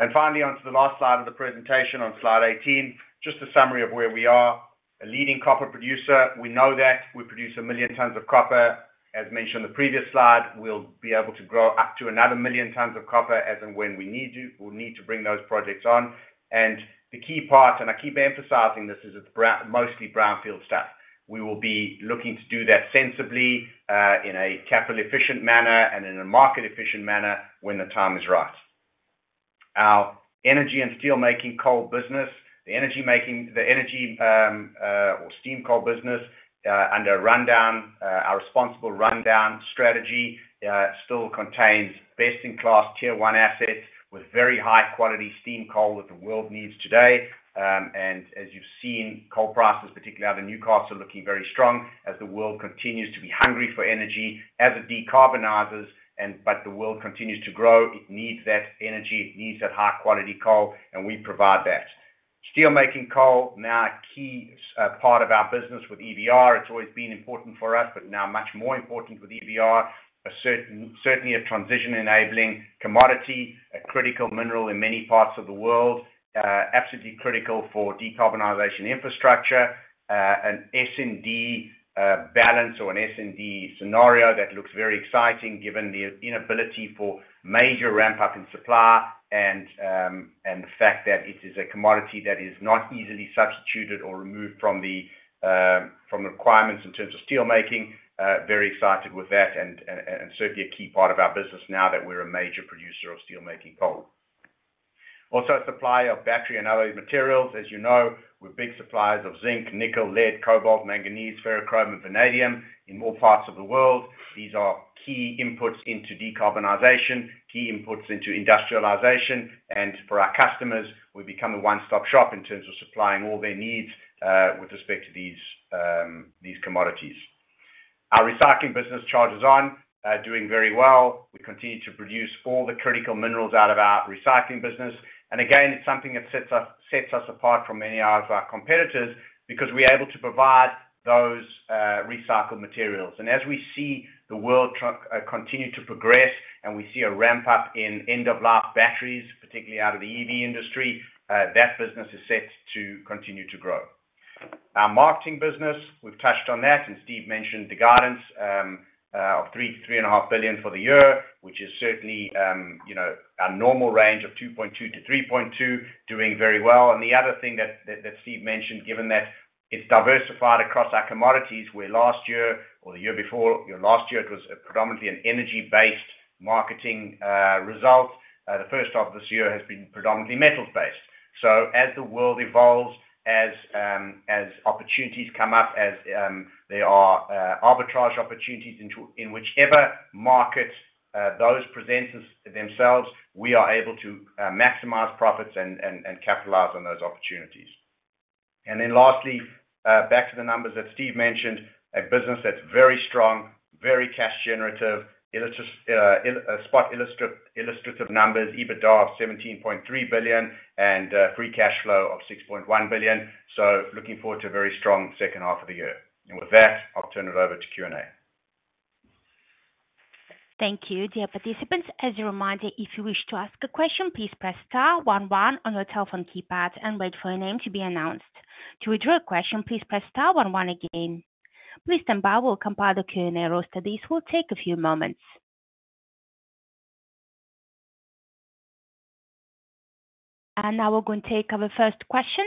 And finally, on to the last slide of the presentation, on slide 18, just a summary of where we are. A leading copper producer, we know that. We produce 1 million tons of copper. As mentioned in the previous slide, we'll be able to grow up to another 1 million tons of copper as and when we need to-- we need to bring those projects on. And the key part, and I keep emphasizing this, is it's brow- mostly brownfield stuff. We will be looking to do that sensibly, in a capital efficient manner and in a market efficient manner when the time is right. Our energy and steelmaking coal business, the energy or steam coal business, under rundown, our responsible rundown strategy, still contains best-in-class Tier One assets with very high-quality steam coal that the world needs today. As you've seen, coal prices, particularly out of Newcastle, are looking very strong as the world continues to be hungry for energy, as it decarbonizes, but the world continues to grow. It needs that energy, it needs that high-quality coal, and we provide that. Steelmaking coal, now a key part of our business with EVR. It's always been important for us, but now much more important with EVR. Certainly a transition-enabling commodity, a critical mineral in many parts of the world, absolutely critical for decarbonization infrastructure, an S&D balance or an S&D scenario that looks very exciting, given the inability for major ramp up in supply and the fact that it is a commodity that is not easily substituted or removed from the requirements in terms of steelmaking. Very excited with that, and certainly a key part of our business now that we're a major producer of steelmaking coal. Also, a supplier of battery and other materials. As you know, we're big suppliers of zinc, nickel, lead, cobalt, manganese, ferrochrome, and vanadium in all parts of the world. These are key inputs into decarbonization, key inputs into industrialization, and for our customers, we've become a one-stop shop in terms of supplying all their needs with respect to these, these commodities. Our recycling business charges on doing very well. We continue to produce all the critical minerals out of our recycling business. And again, it's something that sets us, sets us apart from many of our competitors, because we're able to provide those recycled materials. And as we see the world continue to progress, and we see a ramp up in end-of-life batteries, particularly out of the EV industry, that business is set to continue to grow. Our marketing business, we've touched on that, and Steve mentioned the guidance of $3 billion-$3.5 billion for the year, which is certainly, you know, our normal range of $2.2 billion-$3.2 billion, doing very well. And the other thing that Steve mentioned, given that it's diversified across our commodities, where last year or the year before, you know, last year it was predominantly an energy-based marketing result. The first half of this year has been predominantly metals-based. So as the world evolves, as opportunities come up, as there are arbitrage opportunities into whichever markets those present themselves, we are able to maximize profits and capitalize on those opportunities. And then lastly, back to the numbers that Steve mentioned, a business that's very strong, very cash generative. Spot illustrative numbers, EBITDA of $17.3 billion and free cash flow of $6.1 billion. So looking forward to a very strong second half of the year. And with that, I'll turn it over to Q&A. Thank you, dear participants. As a reminder, if you wish to ask a question, please press star one one on your telephone keypad and wait for your name to be announced. To withdraw a question, please press star one one again. Please stand by while we compile the Q&A roster. This will take a few moments. And now we're going to take our first question.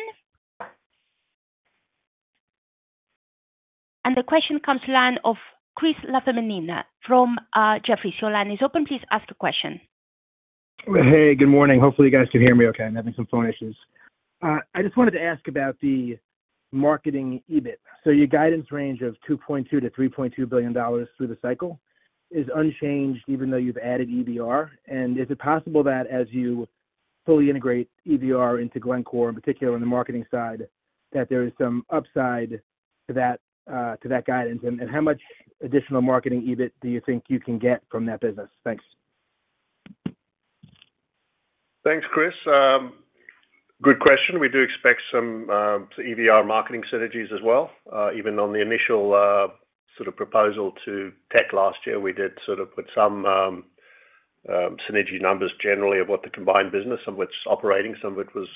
And the question comes from the line of Chris LaFemina from Jefferies. Your line is open. Please ask a question. Hey, good morning. Hopefully, you guys can hear me okay. I'm having some phone issues. I just wanted to ask about the marketing EBIT. So your guidance range of $2.2 billion-$3.2 billion through the cycle is unchanged, even though you've added EVR. And is it possible that as you fully integrate EVR into Glencore, in particular in the marketing side, that there is some upside to that, to that guidance? And how much additional marketing EBIT do you think you can get from that business? Thanks. Thanks, Chris. Good question. We do expect some EVR marketing synergies as well. Even on the initial sort of proposal to Teck last year, we did sort of put some synergy numbers generally of what the combined business, some of which is operating, some of it was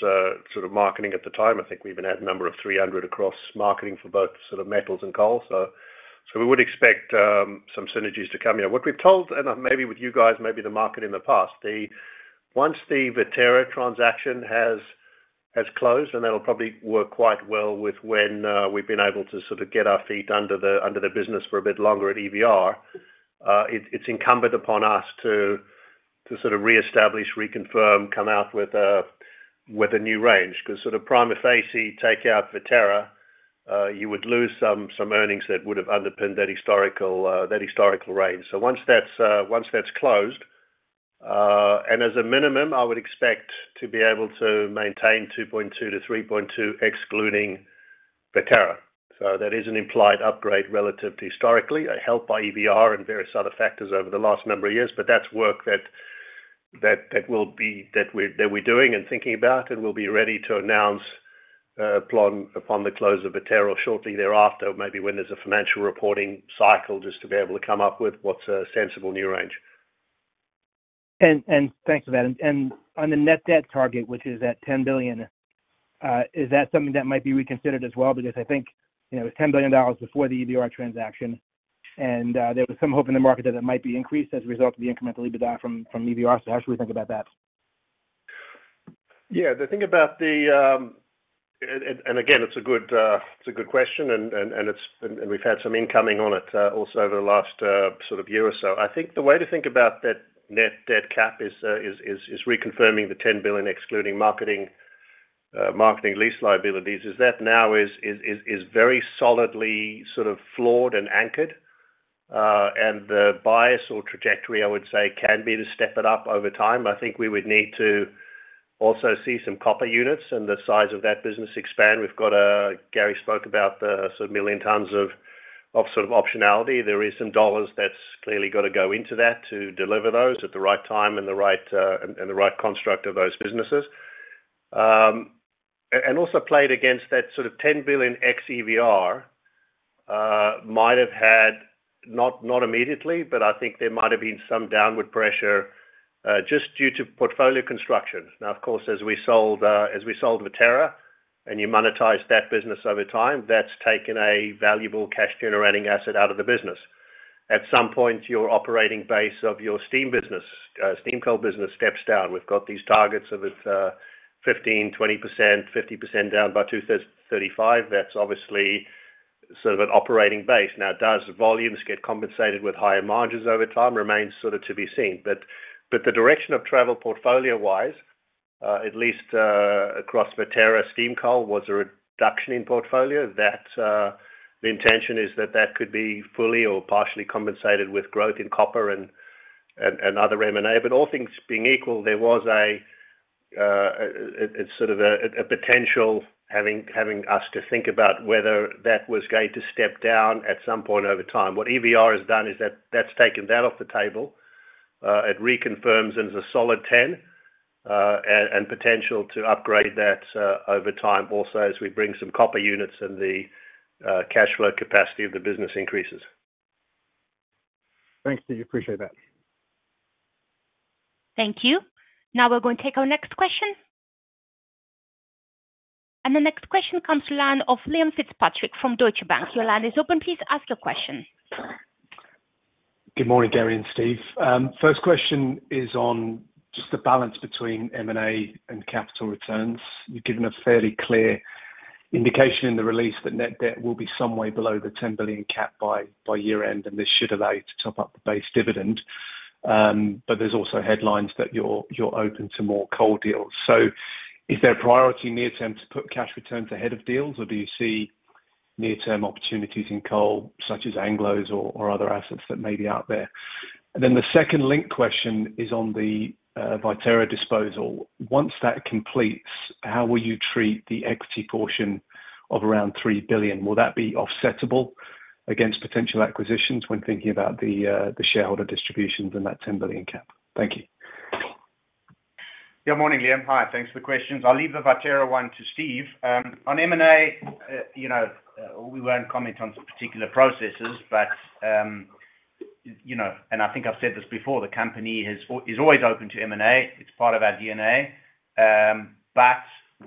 sort of marketing at the time. I think we even had a number of 300 across marketing for both sort of metals and coal. So we would expect some synergies to come here. What we've told, and maybe with you guys, maybe the market in the past, once the Viterra transaction has closed, and that'll probably work quite well with when we've been able to sort of get our feet under the business for a bit longer at EVR, it's incumbent upon us to sort of reestablish, reconfirm, come out with a new range. Because sort of prima facie, take out Viterra, you would lose some earnings that would have underpinned that historical range. So once that's closed, and as a minimum, I would expect to be able to maintain $2.2-$3.2, excluding Viterra. So that is an implied upgrade relative to historically, helped by EVR and various other factors over the last number of years. But that's work that will be, that we're doing and thinking about, and we'll be ready to announce upon the close of Viterra or shortly thereafter, maybe when there's a financial reporting cycle, just to be able to come up with what's a sensible new range. Thanks for that. On the net debt target, which is at $10 billion, is that something that might be reconsidered as well? Because I think, you know, it was $10 billion before the EVR transaction, and there was some hope in the market that it might be increased as a result of the incremental EBITDA from EVR. So how should we think about that? Yeah, the thing about the, and again, it's a good, it's a good question, and we've had some incoming on it, also over the last, sort of year or so. I think the way to think about that net debt cap is reconfirming the $10 billion, excluding marketing, marketing lease liabilities, is that now is very solidly sort of floored and anchored. And the bias or trajectory, I would say, can be to step it up over time. I think we would need to also see some copper units and the size of that business expand. We've got Gary spoke about the sort of 1 million tons of sort of optionality. There is some dollars that's clearly gotta go into that to deliver those at the right time and the right and the right construct of those businesses. And also played against that sort of $10 billion ex EVR might have had, not immediately, but I think there might have been some downward pressure just due to portfolio construction. Now, of course, as we sold as we sold Viterra, and you monetize that business over time, that's taken a valuable cash generating asset out of the business. At some point, your operating base of your steam business steam coal business steps down. We've got these targets of 15%-20%, 50% down by 2035. That's obviously sort of an operating base. Now, does volumes get compensated with higher margins over time? Remains sort of to be seen. But the direction of travel portfolio-wise, at least across Viterra steam coal, was a reduction in portfolio. That the intention is that that could be fully or partially compensated with growth in copper and other M&A. But all things being equal, there was a sort of a potential having us to think about whether that was going to step down at some point over time. What EVR has done is that that's taken that off the table. It reconfirms it as a solid 10 and potential to upgrade that over time, also, as we bring some copper units and the cash flow capacity of the business increases. Thanks, Steve. Appreciate that. Thank you. Now, we're going to take our next question. And the next question comes the line of Liam Fitzpatrick from Deutsche Bank. Your line is open. Please ask your question. Good morning, Gary and Steve. First question is on just the balance between M&A and capital returns. You've given a fairly clear indication in the release that net debt will be some way below the $10 billion cap by year-end, and this should allow you to top up the base dividend. But there's also headlines that you're open to more coal deals. So is there a priority near term to put cash returns ahead of deals, or do you see near-term opportunities in coal, such as Anglos or other assets that may be out there? And then the second linked question is on the Viterra disposal. Once that completes, how will you treat the equity portion of around $3 billion? Will that be offsettable against potential acquisitions when thinking about the shareholder distributions and that $10 billion cap? Thank you. Good morning, Liam. Hi, thanks for the questions. I'll leave the Viterra one to Steve. On M&A, you know, we won't comment on particular processes, but, you know, and I think I've said this before, the company is always open to M&A. It's part of our DNA. But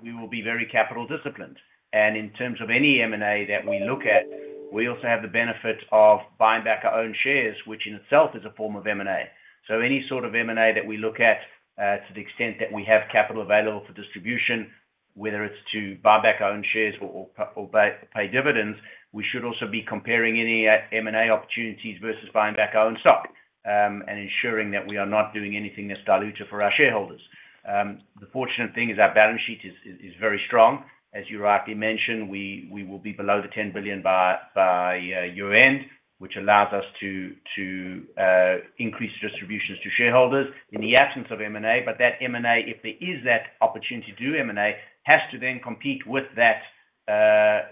we will be very capital disciplined. And in terms of any M&A that we look at, we also have the benefit of buying back our own shares, which in itself is a form of M&A. So any sort of M&A that we look at, to the extent that we have capital available for distribution, whether it's to buy back our own shares or, or, or pay dividends, we should also be comparing any M&A opportunities versus buying back our own stock, and ensuring that we are not doing anything that's dilutive for our shareholders. The fortunate thing is our balance sheet is, is, is very strong. As you rightly mentioned, we, we will be below $10 billion by year-end, which allows us to, to, increase distributions to shareholders in the absence of M&A. But that M&A, if there is that opportunity to do M&A, has to then compete with that,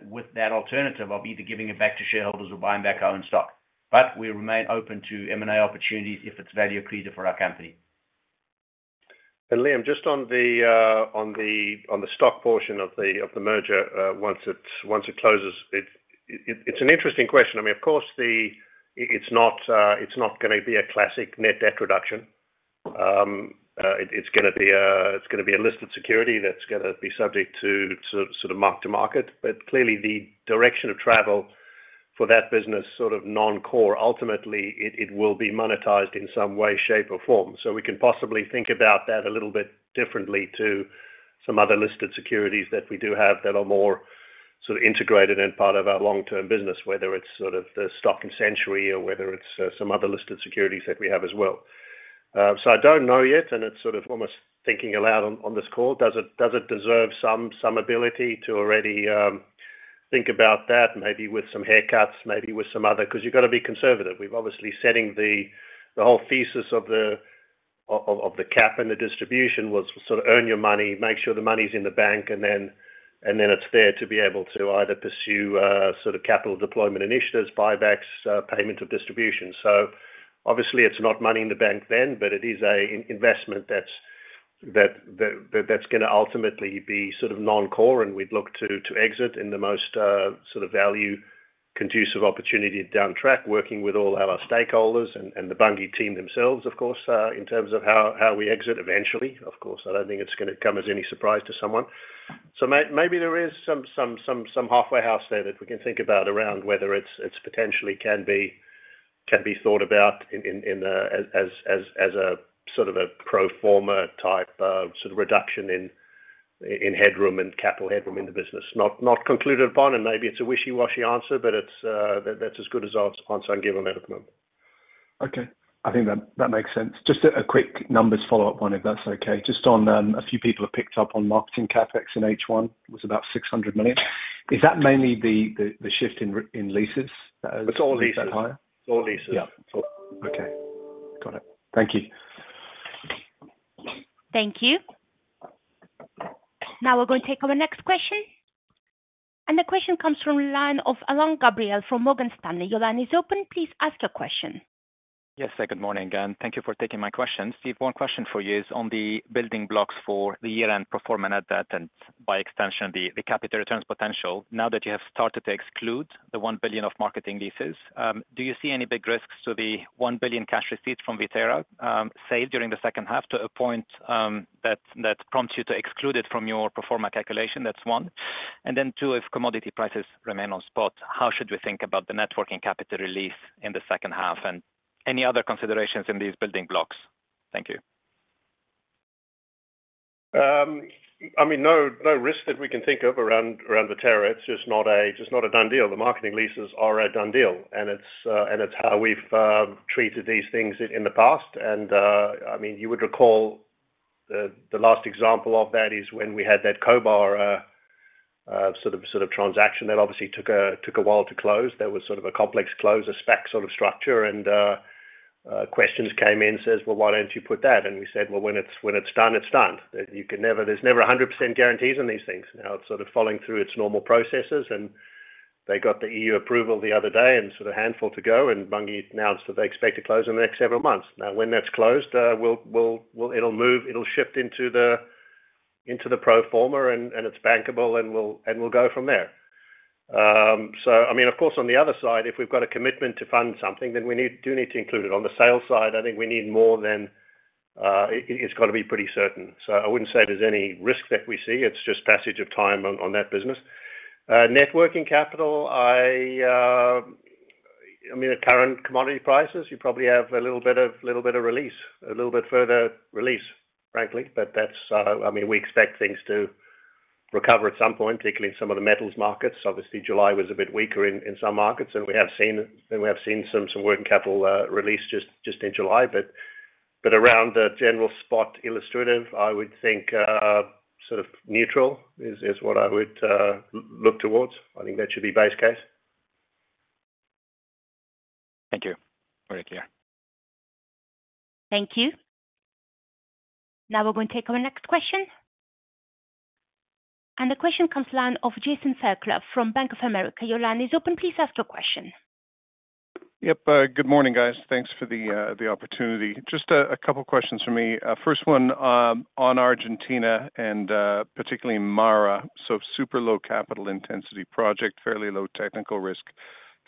with that alternative of either giving it back to shareholders or buying back our own stock. But we remain open to M&A opportunities if it's value accretive for our company. And Liam, just on the stock portion of the merger, once it closes, it's an interesting question. I mean, of course, the, it's not gonna be a classic net debt reduction. It's gonna be a listed security that's gonna be subject to sort of mark to market. But clearly, the direction of travel for that business, sort of non-core, ultimately, it will be monetized in some way, shape, or form. So we can possibly think about that a little bit differently to some other listed securities that we do have that are more sort of integrated and part of our long-term business, whether it's sort of the stock in Century or whether it's some other listed securities that we have as well. So I don't know yet, and it's sort of almost thinking aloud on this call. Does it deserve some ability to already think about that, maybe with some haircuts, maybe with some other—'cause you've gotta be conservative. We've obviously setting the whole thesis of the cap and the distribution was sort of earn your money, make sure the money's in the bank, and then it's there to be able to either pursue sort of capital deployment initiatives, buybacks, payment of distribution. So Obviously, it's not money in the bank then, but it is an investment that's gonna ultimately be sort of non-core, and we'd look to exit in the most sort of value conducive opportunity down track, working with all our stakeholders and the Bunge team themselves, of course, in terms of how we exit eventually. Of course, I don't think it's gonna come as any surprise to someone. So maybe there is some halfway house there that we can think about around whether it's potentially can be thought about in as a sort of a pro forma type of sort of reduction in headroom and capital headroom in the business. Not concluded upon, and maybe it's a wishy-washy answer, but it's, that's as good as I'll answer on giving them at the moment. Okay. I think that makes sense. Just a quick numbers follow-up one, if that's okay. Just on, a few people have picked up on marketing CapEx in H1, was about $600 million. Is that mainly the shift in re- in leases that [audio distortion] It's all leases. Higher. All leases. Yeah. All. Okay, got it. Thank you. Thank you. Now we're going to take our next question. The question comes from line of Alain Gabriel from Morgan Stanley. Your line is open. Please ask your question. Yes, good morning, and thank you for taking my question. Steve, one question for you is on the building blocks for the year-end pro forma net debt, and by extension, the, the capital returns potential. Now that you have started to exclude the $1 billion of marketing leases, do you see any big risks to the $1 billion cash receipts from Viterra, saved during the second half to a point, that prompts you to exclude it from your pro forma calculation? That's one. And then two, if commodity prices remain on spot, how should we think about the net working capital relief in the second half, and any other considerations in these building blocks? Thank you. I mean, no risk that we can think of around Viterra. It's just not a done deal. The marketing leases are a done deal, and it's how we've treated these things in the past. And, I mean, you would recall the last example of that is when we had that Cobar sort of transaction. That obviously took a while to close. That was sort of a complex close, a SPAC sort of structure, and questions came in, says: "Well, why don't you put that?" And we said, "Well, when it's done, it's done." That you can never— There's never 100% guarantees on these things. Now, it's sort of following through its normal processes, and they got the EU approval the other day and so the handful to go, and Bunge announced that they expect to close in the next several months. Now, when that's closed, it'll move, it'll shift into the pro forma, and it's bankable, and we'll go from there. So I mean, of course, on the other side, if we've got a commitment to fund something, then we need, do need to include it. On the sales side, I think we need more than. It's gotta be pretty certain. So I wouldn't say there's any risk that we see. It's just passage of time on that business. Net working capital, I mean, at current commodity prices, you probably have a little bit of release, a little bit further release, frankly. But that's, I mean, we expect things to recover at some point, particularly in some of the metals markets. Obviously, July was a bit weaker in some markets, and we have seen some working capital release just in July. But around the general spot illustrative, I would think sort of neutral is what I would look towards. I think that should be base case. Thank you. Thank you. Thank you. Now we're going to take our next question. The question comes from the line of Jason Fairclough from Bank of America. Your line is open. Please ask your question. Yep. Good morning, guys. Thanks for the opportunity. Just a couple questions from me. First one, on Argentina and particularly MARA. So super low capital intensity project, fairly low technical risk.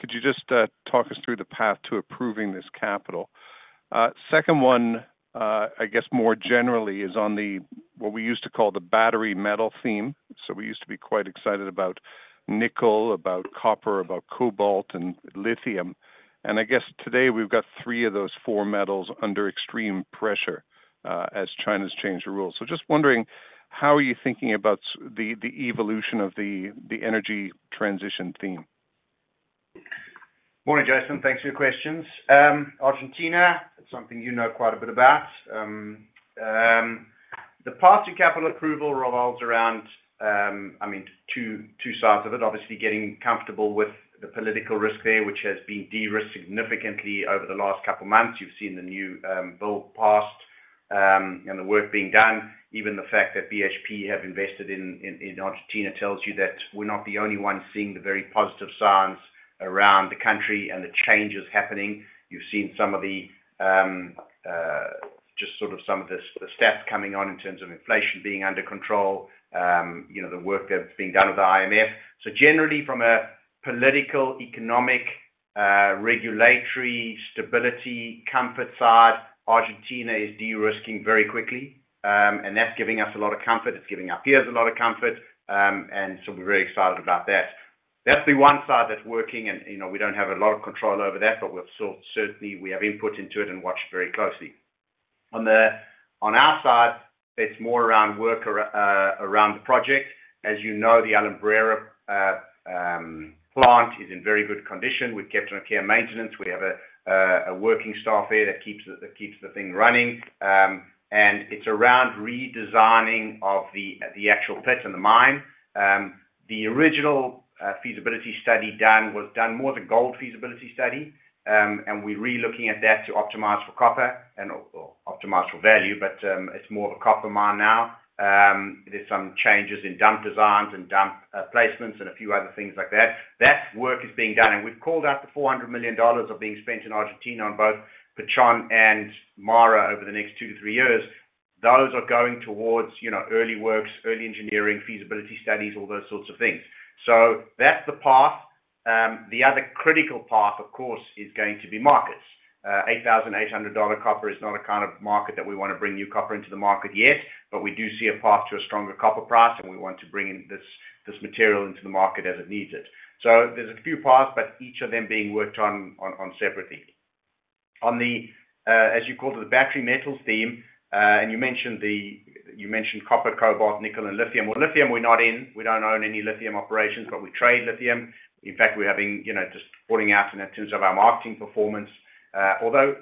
Could you just talk us through the path to approving this capital? Second one, I guess more generally is on the what we used to call the battery metal theme. So we used to be quite excited about nickel, about copper, about cobalt and lithium, and I guess today we've got three of those four metals under extreme pressure, as China's changed the rules. So just wondering, how are you thinking about the evolution of the energy transition theme? Morning, Jason. Thanks for your questions. Argentina, it's something you know quite a bit about. The path to capital approval revolves around, I mean, two sides of it. Obviously, getting comfortable with the political risk there, which has been de-risked significantly over the last couple of months. You've seen the new bill passed, and the work being done. Even the fact that BHP have invested in Argentina tells you that we're not the only ones seeing the very positive signs around the country and the changes happening. You've seen some of the just sort of some of the stats coming on in terms of inflation being under control, you know, the work that's being done with the IMF. So generally, from a political, economic, regulatory stability, comfort side, Argentina is de-risking very quickly. And that's giving us a lot of comfort. It's giving our peers a lot of comfort, and so we're very excited about that. That's the one side that's working and, you know, we don't have a lot of control over that, but we've certainly have input into it and watch very closely. On our side, it's more around work around the project. As you know, the Alumbrera plant is in very good condition. We've kept on care and maintenance. We have a working staff there that keeps the thing running. And it's around redesigning of the actual pits in the mine. The original feasibility study done was done more the gold feasibility study, and we're relooking at that to optimize for copper and optimized for value, but it's more of a copper mine now. There's some changes in dump designs and dump placements and a few other things like that. That work is being done, and we've called out the $400 million are being spent in Argentina on both El Pachón and MARA over the next two to three years. Those are going towards, you know, early works, early engineering, feasibility studies, all those sorts of things. So that's the path. The other critical path, of course, is going to be markets. $8,800 copper is not a kind of market that we wanna bring new copper into the market yet, but we do see a path to a stronger copper price, and we want to bring in this, this material into the market as it needs it. So there's a few paths, but each of them being worked on separately. On the, as you called it, the battery metals theme, and you mentioned—you mentioned copper, cobalt, nickel and lithium. Well, lithium, we're not in. We don't own any lithium operations, but we trade lithium. In fact, we're having, you know, just pulling out in terms of our marketing performance, although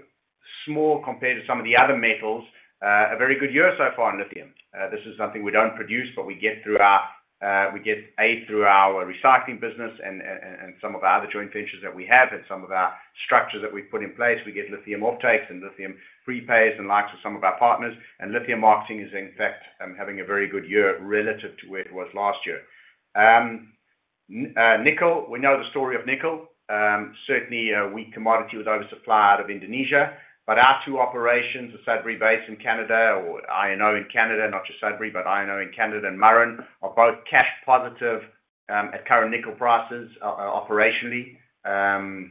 small compared to some of the other metals, a very good year so far in lithium. This is something we don't produce, but we get through our recycling business and some of our other joint ventures that we have and some of our structures that we've put in place. We get lithium off takes and lithium prepays and likes of some of our partners. Lithium marketing is in fact having a very good year relative to where it was last year. Nickel, we know the story of nickel. Certainly a weak commodity with oversupply out of Indonesia. But our two operations, the Sudbury base in Canada or INO in Canada, not just Sudbury, but INO in Canada and Murrin, are both cash positive at current nickel prices operationally. And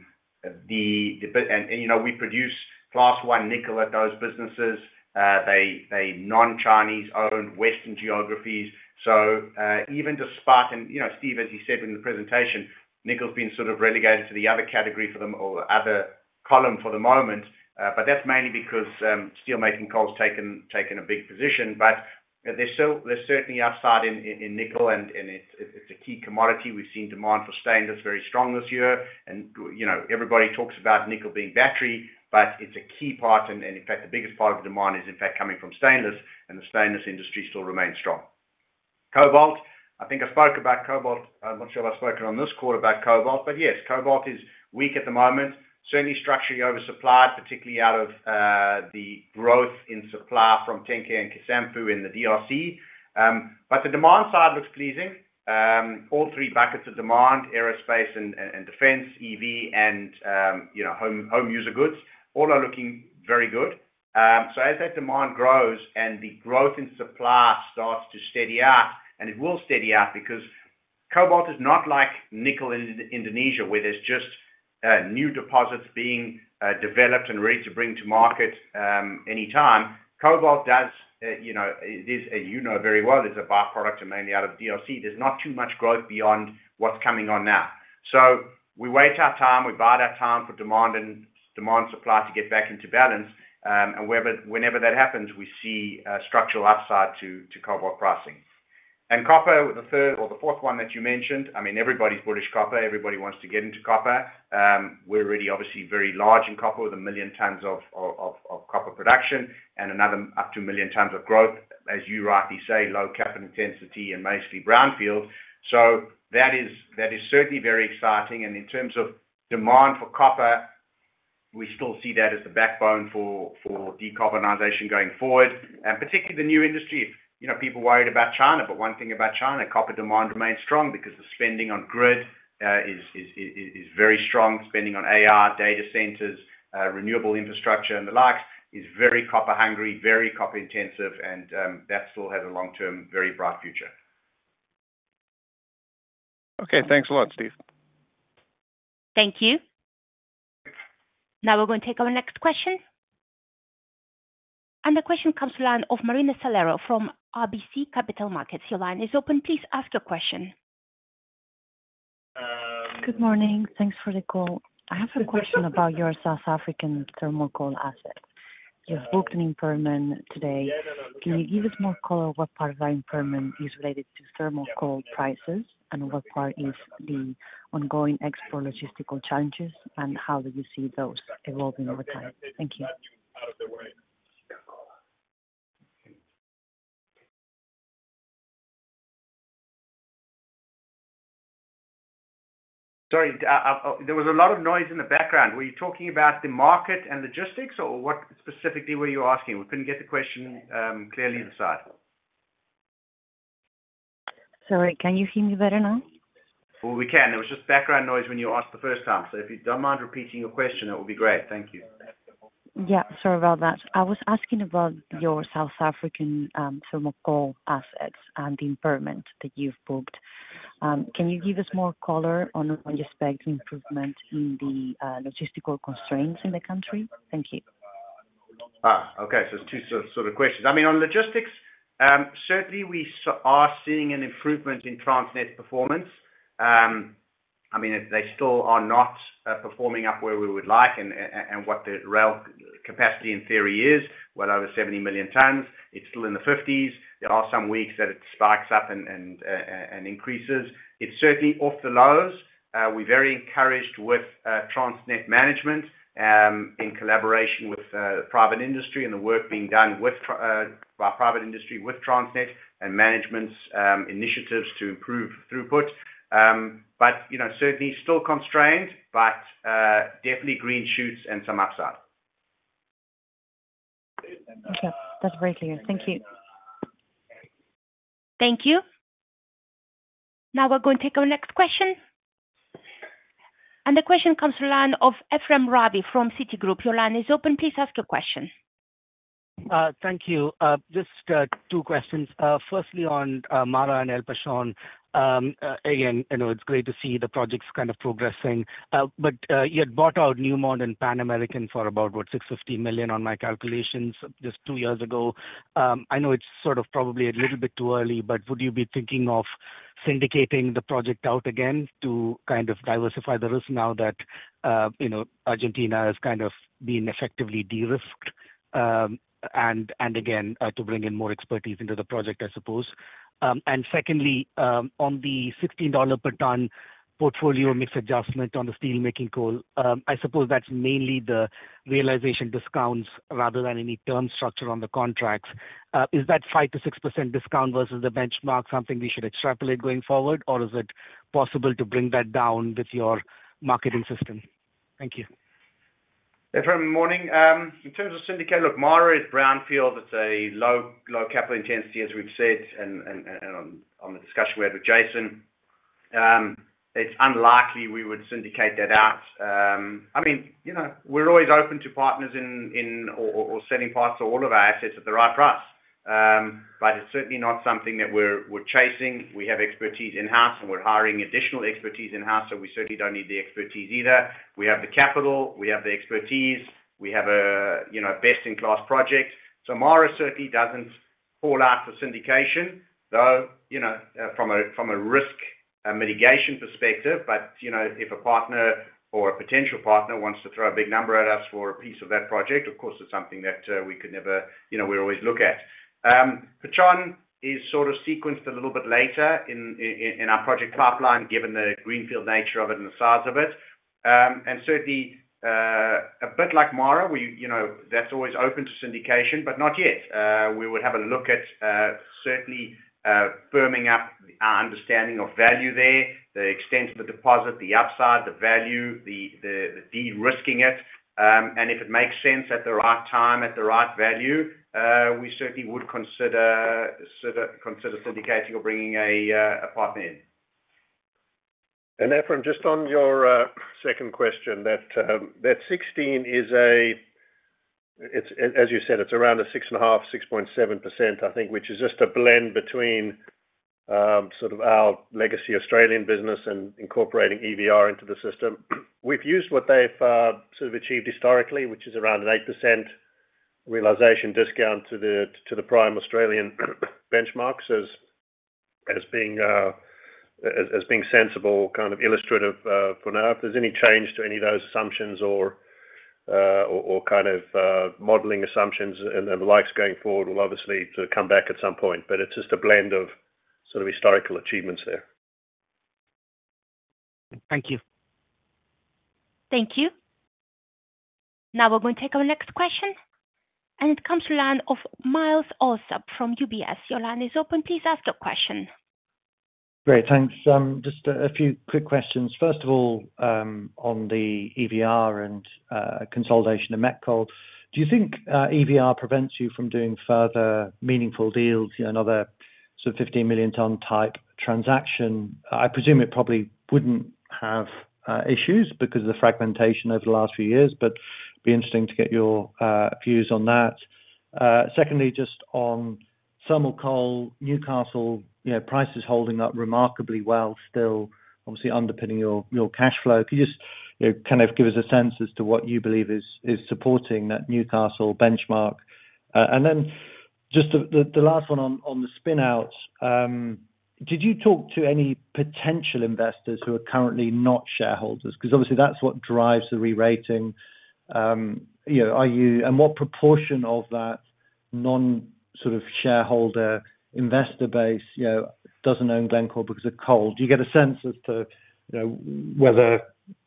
you know, we produce Class 1 nickel at those businesses. They non-Chinese owned Western geographies. So even despite and you know, Steve, as you said in the presentation, nickel's been sort of relegated to the other category for them or other column for the moment, but that's mainly because steelmaking coal's taken a big position. But there's still there's certainly upside in nickel, and it's a key commodity. We've seen demand for stainless very strong this year. And, you know, everybody talks about nickel being battery, but it's a key part, and in fact, the biggest part of demand is, in fact, coming from stainless, and the stainless industry still remains strong. Cobalt, I think I spoke about cobalt. I'm not sure if I've spoken on this call about cobalt, but yes, cobalt is weak at the moment. Certainly structurally oversupplied, particularly out of the growth in supply from Tenke and Kisanfu in the DRC. But the demand side looks pleasing. All three buckets of demand, aerospace and defense, EV, and, you know, home user goods, all are looking very good. So as that demand grows and the growth in supply starts to steady out, and it will steady out because cobalt is not like nickel in Indonesia, where there's just new deposits being developed and ready to bring to market anytime. Cobalt does, you know, it is, you know very well, is a by-product and mainly out of DRC. There's not too much growth beyond what's coming on now. So we wait our time, we buy that time for demand and demand, supply to get back into balance. And whenever that happens, we see a structural upside to cobalt pricing. And copper, the third or the fourth one that you mentioned, I mean, everybody's bullish copper. Everybody wants to get into copper. We're really obviously very large in copper with 1 million tons of copper production and another up to 1 million tons of growth, as you rightly say, low capital intensity and mostly brownfield. So that is certainly very exciting, and in terms of demand for copper, we still see that as the backbone for decarbonization going forward. And particularly the new industry, you know, people worried about China, but one thing about China, copper demand remains strong because the spending on grid is very strong. Spending on AR, data centers, renewable infrastructure, and the like, is very copper hungry, very copper intensive, and that still has a long-term, very bright future. Okay, thanks a lot, Steve. Thank you. Now we're going to take our next question. The question comes from the line of Marina Calero from RBC Capital Markets. Your line is open. Please ask your question. Good morning. Thanks for the call. I have a question about your South African thermal coal assets. You've booked an impairment today. Can you give us more color what part of that impairment is related to thermal coal prices, and what part is the ongoing export logistical challenges, and how do you see those evolving over time? Thank you. Sorry, there was a lot of noise in the background. Were you talking about the market and logistics, or what specifically were you asking? We couldn't get the question clearly inside. Sorry, can you hear me better now? Well, we can. There was just background noise when you asked the first time. So if you don't mind repeating your question, it would be great. Thank you. Yeah, sorry about that. I was asking about your South African thermal coal assets and the impairment that you've booked. Can you give us more color on when you expect improvement in the logistical constraints in the country? Thank you. Okay. So there's two sort of questions. I mean, on logistics, certainly we are seeing an improvement in Transnet performance. I mean, they still are not performing up where we would like and, and what the rail capacity in theory is, well over 70 million tons. It's still in the 50s. There are some weeks that it spikes up and increases. It's certainly off the lows. We're very encouraged with Transnet management in collaboration with private industry and the work being done by private industry with Transnet and management's initiatives to improve throughput. But, you know, certainly still constrained, but definitely green shoots and some upside. Okay, that's very clear. Thank you. Thank you. Now we're going to take our next question. The question comes from the line of Ephrem Ravi from Citigroup. Your line is open, please ask your question. Thank you. Just two questions. Firstly on MARA and El Pachón. Again, I know it's great to see the projects kind of progressing, but you had bought out Newmont and Pan American for about, what, $650 million on my calculations just two years ago. I know it's sort of probably a little bit too early, but would you be thinking of syndicating the project out again to kind of diversify the risk now that, you know, Argentina has kind of been effectively de-risked? And again, to bring in more expertise into the project, I suppose. And secondly, on the $16 per ton portfolio mix adjustment on the steelmaking coal, I suppose that's mainly the realization discounts rather than any term structure on the contracts. Is that 5%-6% discount versus the benchmark something we should extrapolate going forward, or is it possible to bring that down with your marketing system? Thank you. Ephrem, morning. In terms of syndicate, look, MARA is brownfield. It's a low, low capital intensity, as we've said, and on the discussion we had with Jason. It's unlikely we would syndicate that out. I mean, you know, we're always open to partners in or selling parts to all of our assets at the right price. But it's certainly not something that we're chasing. We have expertise in-house, and we're hiring additional expertise in-house, so we certainly don't need the expertise either. We have the capital, we have the expertise, we have a, you know, best-in-class project. So MARA certainly doesn't fall out for syndication, though, you know, from a risk mitigation perspective. But, you know, if a partner or a potential partner wants to throw a big number at us for a piece of that project, of course, it's something that we could never, you know, we always look at. Pachón is sort of sequenced a little bit later in our project pipeline, given the greenfield nature of it and the size of it. And certainly, a bit like Mara, we, you know, that's always open to syndication, but not yet. We would have a look at certainly firming up our understanding of value there, the extent of the deposit, the upside, the value, the de-risking it. And if it makes sense at the right time, at the right value, we certainly would consider syndicating or bringing a partner in. Ephrem, just on your second question, that 16 is a. It's, as you said, it's around a 6.5, 6.7%, I think, which is just a blend between sort of our legacy Australian business and incorporating EVR into the system. We've used what they've sort of achieved historically, which is around an 8% realization discount to the prime Australian benchmarks as being sensible, kind of illustrative for now. If there's any change to any of those assumptions or kind of modeling assumptions and the likes going forward, we'll obviously sort of come back at some point, but it's just a blend of sort of historical achievements there. Thank you. Thank you. Now we're going to take our next question, and it comes to the line of Myles Allsop from UBS. Your line is open. Please ask your question. Great, thanks. Just a few quick questions. First of all, on the EVR and consolidation of met coal. Do you think EVR prevents you from doing further meaningful deals, you know, another sort of 15 million ton type transaction? I presume it probably wouldn't have issues because of the fragmentation over the last few years, but it'd be interesting to get your views on that. Secondly, just on thermal coal, Newcastle, you know, price is holding up remarkably well, still, obviously underpinning your cash flow. Can you just, you know, kind of give us a sense as to what you believe is supporting that Newcastle benchmark? And then just the last one on the spin-out. Did you talk to any potential investors who are currently not shareholders? Because obviously that's what drives the re-rating. You know, and what proportion of that non sort of shareholder investor base, you know, doesn't own Glencore because of coal? Do you get a sense as to, you know, whether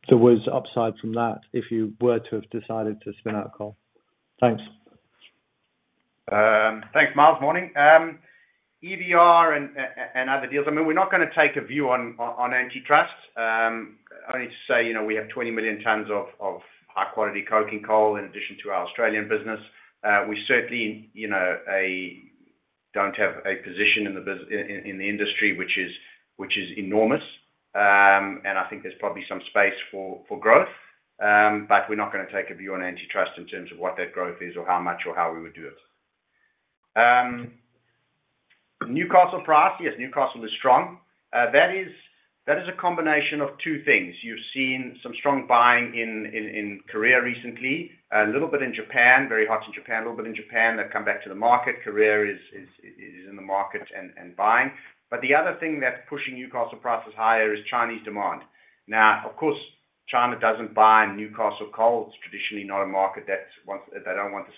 there was upside from that if you were to have decided to spin out coal? Thanks. Thanks, Myles. Morning. EVR and other deals, I mean, we're not gonna take a view on antitrust. Only to say, you know, we have 20 million tons of high-quality coking coal in addition to our Australian business. We certainly, you know, don't have a position in the business in the industry, which is enormous. And I think there's probably some space for growth. But we're not gonna take a view on antitrust in terms of what that growth is, or how much, or how we would do it. Newcastle price, yes, Newcastle is strong. That is a combination of two things. You've seen some strong buying in Korea recently, a little bit in Japan, very hot in Japan. A little bit in Japan, they've come back to the market. Korea is in the market and buying. But the other thing that's pushing Newcastle prices higher is Chinese demand. Now, of course, China doesn't buy Newcastle coal. It's traditionally not a market that wants. They don't want the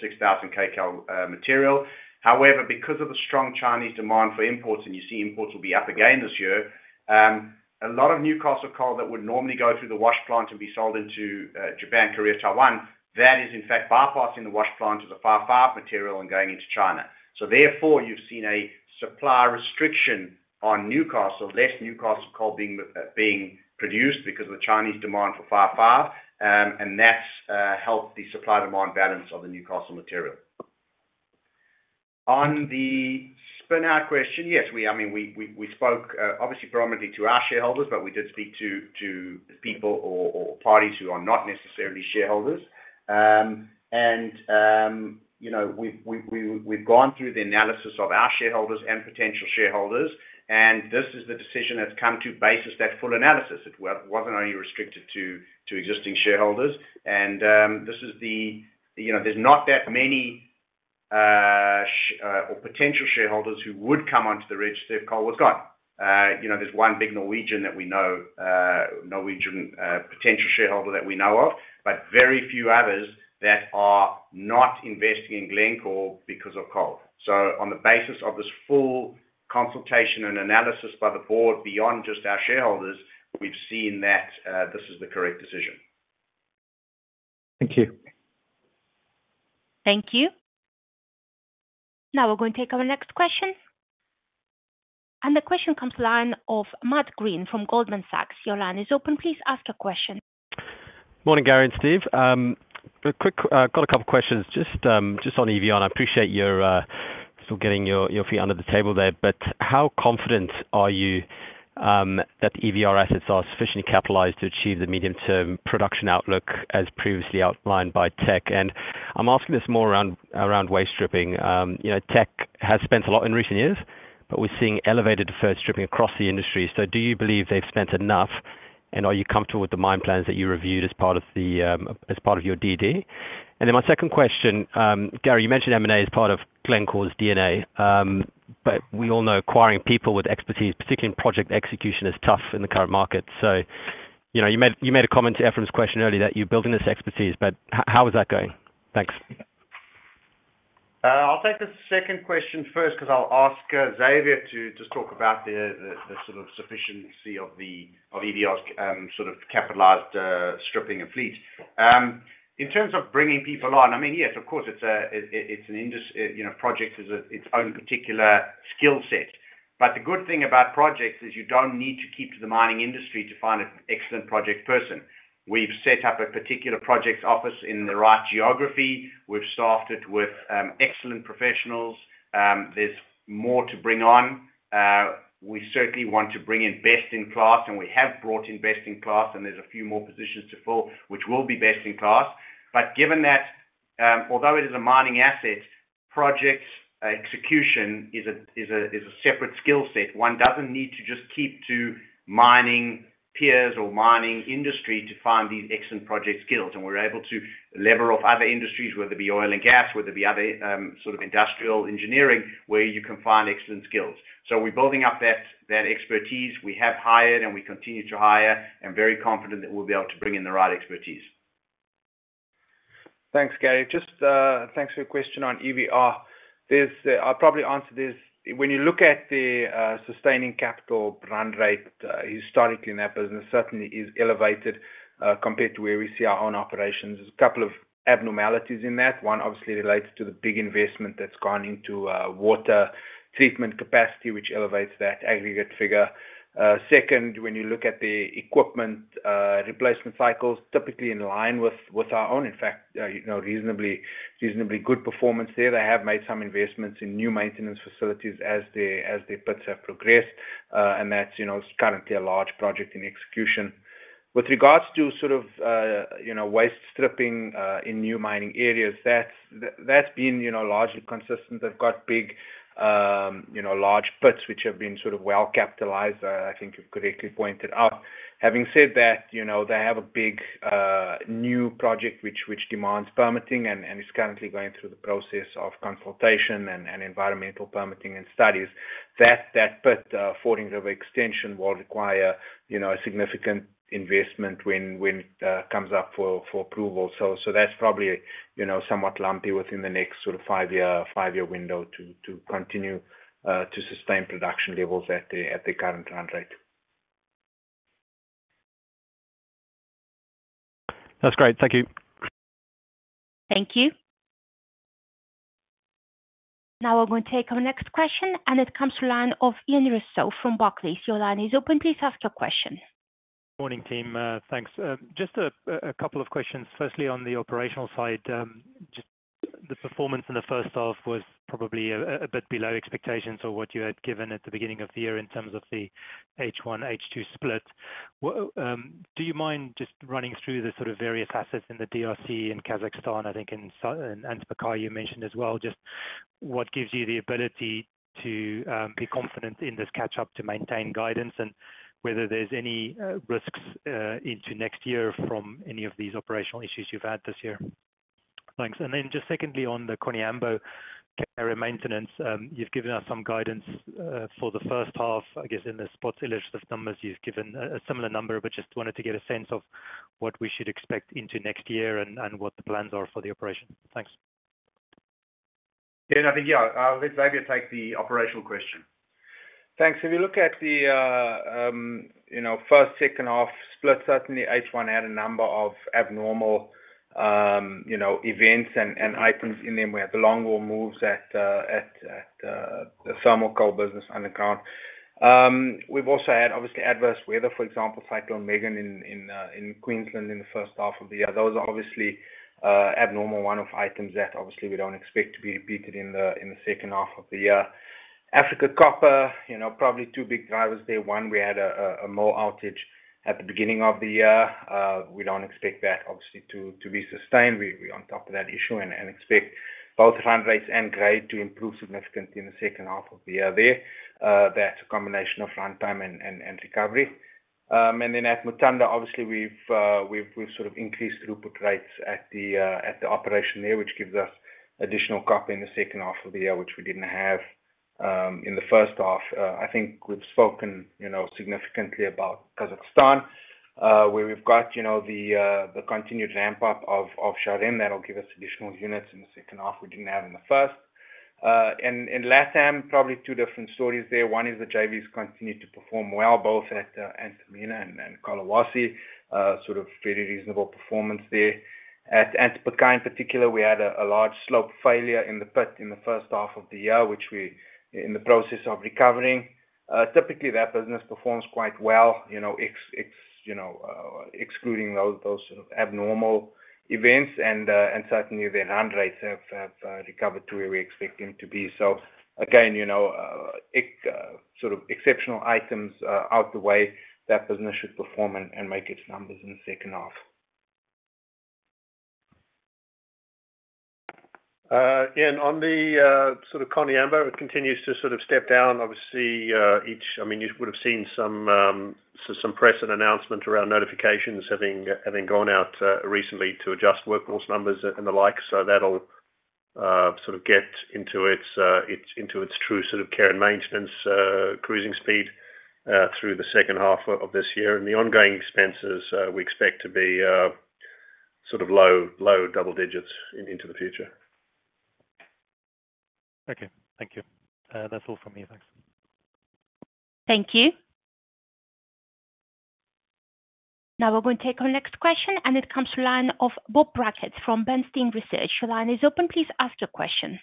6,000 kcal material. However, because of the strong Chinese demand for imports, and you see imports will be up again this year, a lot of Newcastle coal that would normally go through the wash plant and be sold into Japan, Korea, Taiwan, that is in fact bypassing the wash plant as a 55 material and going into China. So therefore, you've seen a supply restriction on Newcastle, less Newcastle coal being produced because of the Chinese demand for 55, and that's helped the supply/demand balance of the Newcastle material. On the spin out question, yes, I mean, we spoke, obviously predominantly to our shareholders, but we did speak to people or parties who are not necessarily shareholders. And, you know, we've gone through the analysis of our shareholders and potential shareholders, and this is the decision that's come to based on that full analysis. It wasn't only restricted to existing shareholders. And, this is the, you know, there's not that many, or potential shareholders who would come onto the register if coal was gone. You know, there's one big Norwegian potential shareholder that we know of, but very few others that are not investing in Glencore because of coal. So on the basis of this full consultation and analysis by the board, beyond just our shareholders, we've seen that this is the correct decision. Thank you. Thank you. Now we're going to take our next question. The question comes from the line of Matt Greene from Goldman Sachs. Your line is open. Please ask your question. Morning, Gary and Steve. A quick, got a couple of questions. Just, just on EVR, and I appreciate your, sort of getting your feet under the table there. But how confident are you that the EVR assets are sufficiently capitalized to achieve the medium-term production outlook as previously outlined by Tech? And I'm asking this more around waste stripping. You know, Tech has spent a lot in recent years, but we're seeing elevated deferred stripping across the industry. So do you believe they've spent enough, and are you comfortable with the mine plans that you reviewed as part of the, as part of your DD? And then my second question, Gary, you mentioned M&A as part of Glencore's DNA. But we all know acquiring people with expertise, particularly in project execution, is tough in the current market. So, you know, you made, you made a comment to Ephrem's question earlier that you're building this expertise, but how is that going? Thanks. I'll take the second question first, because I'll ask Xavier to just talk about the sort of sufficiency of EVR's sort of capitalized stripping and fleet. In terms of bringing people on, I mean, yes, of course, it's an industrial project, you know, is its own particular skill set. But the good thing about projects is you don't need to keep to the mining industry to find an excellent project person. We've set up a particular project office in the right geography. We've staffed it with excellent professionals, there's more to bring on. We certainly want to bring in best-in-class, and we have brought in best-in-class, and there's a few more positions to fill, which will be best-in-class. But given that, although it is a mining asset, projects execution is a separate skill set. One doesn't need to just keep to mining peers or mining industry to find these excellent project skills, and we're able to lever off other industries, whether it be oil and gas, whether it be other, sort of industrial engineering, where you can find excellent skills. So we're building up that expertise. We have hired, and we continue to hire, and very confident that we'll be able to bring in the right expertise. Thanks, Gary. Just, thanks for your question on EVR. There's, I'll probably answer this. When you look at the, sustaining capital run rate, historically in that business, certainly is elevated, compared to where we see our own operations. There's a couple of abnormalities in that. One, obviously related to the big investment that's gone into, water treatment capacity, which elevates that aggregate figure. Second, when you look at the equipment, replacement cycles, typically in line with, with our own, in fact, you know, reasonably, reasonably good performance there. They have made some investments in new maintenance facilities as the, as the pits have progressed, and that's, you know, currently a large project in execution. With regards to sort of, you know, waste stripping, in new mining areas, that's, that's been, you know, largely consistent. They've got big, you know, large pits, which have been sort of well capitalized, I think you've correctly pointed out. Having said that, you know, they have a big, new project which demands permitting and is currently going through the process of consultation and environmental permitting and studies. That pit, Fording River Extension, will require, you know, a significant investment when it comes up for approval. So that's probably, you know, somewhat lumpy within the next sort of five-year window to continue to sustain production levels at the current run rate. That's great. Thank you. Thank you. Now we're going to take our next question, and it comes to line of Ian Rossouw from Barclays. Your line is open. Please ask your question. Morning, team, thanks. Just a couple of questions. Firstly, on the operational side, just the performance in the first half was probably a bit below expectations or what you had given at the beginning of the year in terms of the H1, H2 split. What do you mind just running through the sort of various assets in the DRC and Kazakhstan, I think in [audio distortion] you mentioned as well, just what gives you the ability to be confident in this catch-up to maintain guidance, and whether there's any risks into next year from any of these operational issues you've had this year? Thanks. And then just secondly, on the Koniambo care and maintenance, you've given us some guidance for the first half, I guess, in the spot illustrative numbers, you've given a similar number, but just wanted to get a sense of what we should expect into next year and what the plans are for the operation. Thanks. Yeah, I think, yeah, I'll let Xavier take the operational question. Thanks. If you look at the, you know, first, second half split, certainly H1 had a number of abnormal, you know, events and items in them, where the longwall moves at... the thermal coal business underground. We've also had obviously adverse weather, for example, Cyclone Megan in Queensland in the first half of the year. Those are obviously abnormal one-off items that obviously we don't expect to be repeated in the second half of the year. Africa Copper, you know, probably two big drivers there. One, we had a mill outage at the beginning of the year. We don't expect that obviously to be sustained. We're on top of that issue and expect both run rates and grade to improve significantly in the second half of the year there. That's a combination of runtime and recovery. And then at Mutanda, obviously, we've sort of increased throughput rates at the operation there, which gives us additional copper in the second half of the year, which we didn't have in the first half. I think we've spoken, you know, significantly about Kazakhstan, where we've got, you know, the continued ramp up of Zhairem. That'll give us additional units in the second half we didn't have in the first. And Latam, probably two different stories there. One is the JVs continued to perform well, both at Antamina and Collahuasi. Sort of very reasonable performance there. At Antamina, in particular, we had a large slope failure in the pit in the first half of the year, which we're in the process of recovering. Typically, that business performs quite well, you know, excluding those sort of abnormal events, and certainly their run rates have recovered to where we expect them to be. So again, you know, sort of exceptional items out the way, that business should perform and make its numbers in the second half. And on the sort of Koniambo, it continues to sort of step down, obviously. I mean, you would have seen some press and announcement around notifications having gone out recently to adjust workforce numbers and the like. So that'll sort of get into its true sort of care and maintenance cruising speed through the second half of this year. And the ongoing expenses, we expect to be sort of low double digits into the future. Okay, thank you. That's all from me. Thanks. Thank you. Now, we're going to take our next question, and it comes to line of Bob Brackett from Bernstein Research. Your line is open. Please ask your question.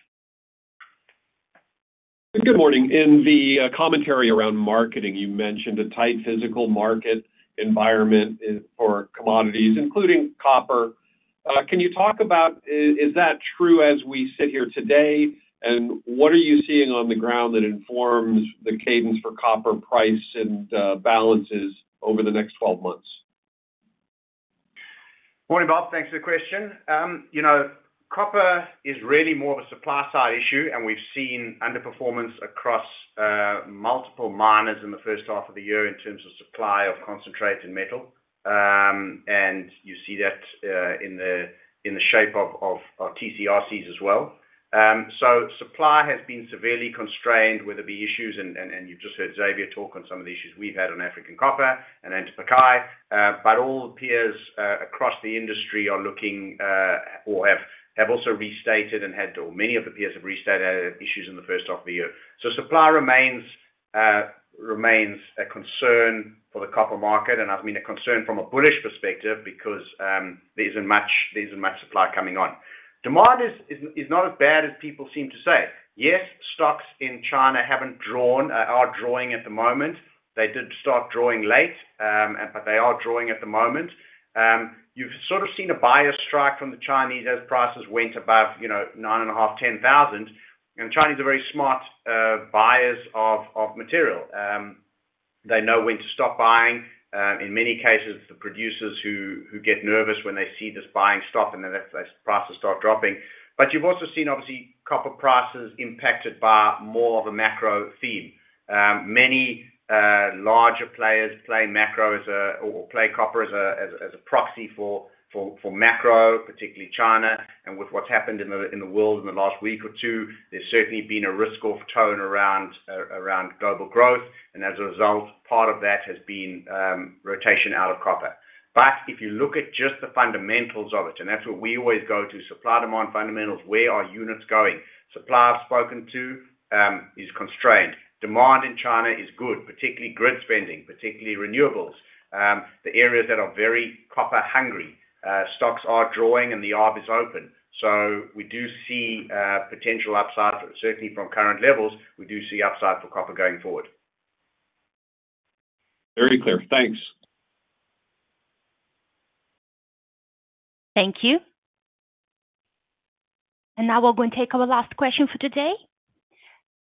Good morning. In the commentary around marketing, you mentioned a tight physical market environment for commodities, including copper. Can you talk about? Is that true as we sit here today? And what are you seeing on the ground that informs the cadence for copper price and balances over the next 12 months? Morning, Bob. Thanks for the question. You know, copper is really more of a supply-side issue, and we've seen underperformance across multiple miners in the first half of the year in terms of supply of concentrated metal. And you see that in the shape of TCRCs as well. So supply has been severely constrained, whether it be issues, and you've just heard Xavier talk on some of the issues we've had on African Copper and Antamina. But all the peers across the industry are looking, or have, have also restated and had, or many of the peers have restated, had issues in the first half of the year. So supply remains a concern for the copper market, and I mean, a concern from a bullish perspective, because there isn't much supply coming on. Demand is not as bad as people seem to say. Yes, stocks in China haven't drawn, are drawing at the moment. They did start drawing late, but they are drawing at the moment. You've sort of seen a buyer strike from the Chinese as prices went above, you know, $9,500-$10,000. And Chinese are very smart buyers of material. They know when to stop buying. In many cases, the producers who get nervous when they see this buying stop, and then that's prices start dropping. But you've also seen, obviously, copper prices impacted by more of a macro theme. Many larger players play macro as a, or play copper as a proxy for macro, particularly China. With what's happened in the world in the last week or two, there's certainly been a risk-off tone around global growth, and as a result, part of that has been rotation out of copper. But if you look at just the fundamentals of it, and that's where we always go to, supply/demand fundamentals, where are units going? Supply I've spoken to is constrained. Demand in China is good, particularly grid spending, particularly renewables. The areas that are very copper hungry, stocks are drawing and the arb is open. So we do see potential upside. Certainly from current levels, we do see upside for copper going forward. Very clear. Thanks. Thank you. And now we're going to take our last question for today,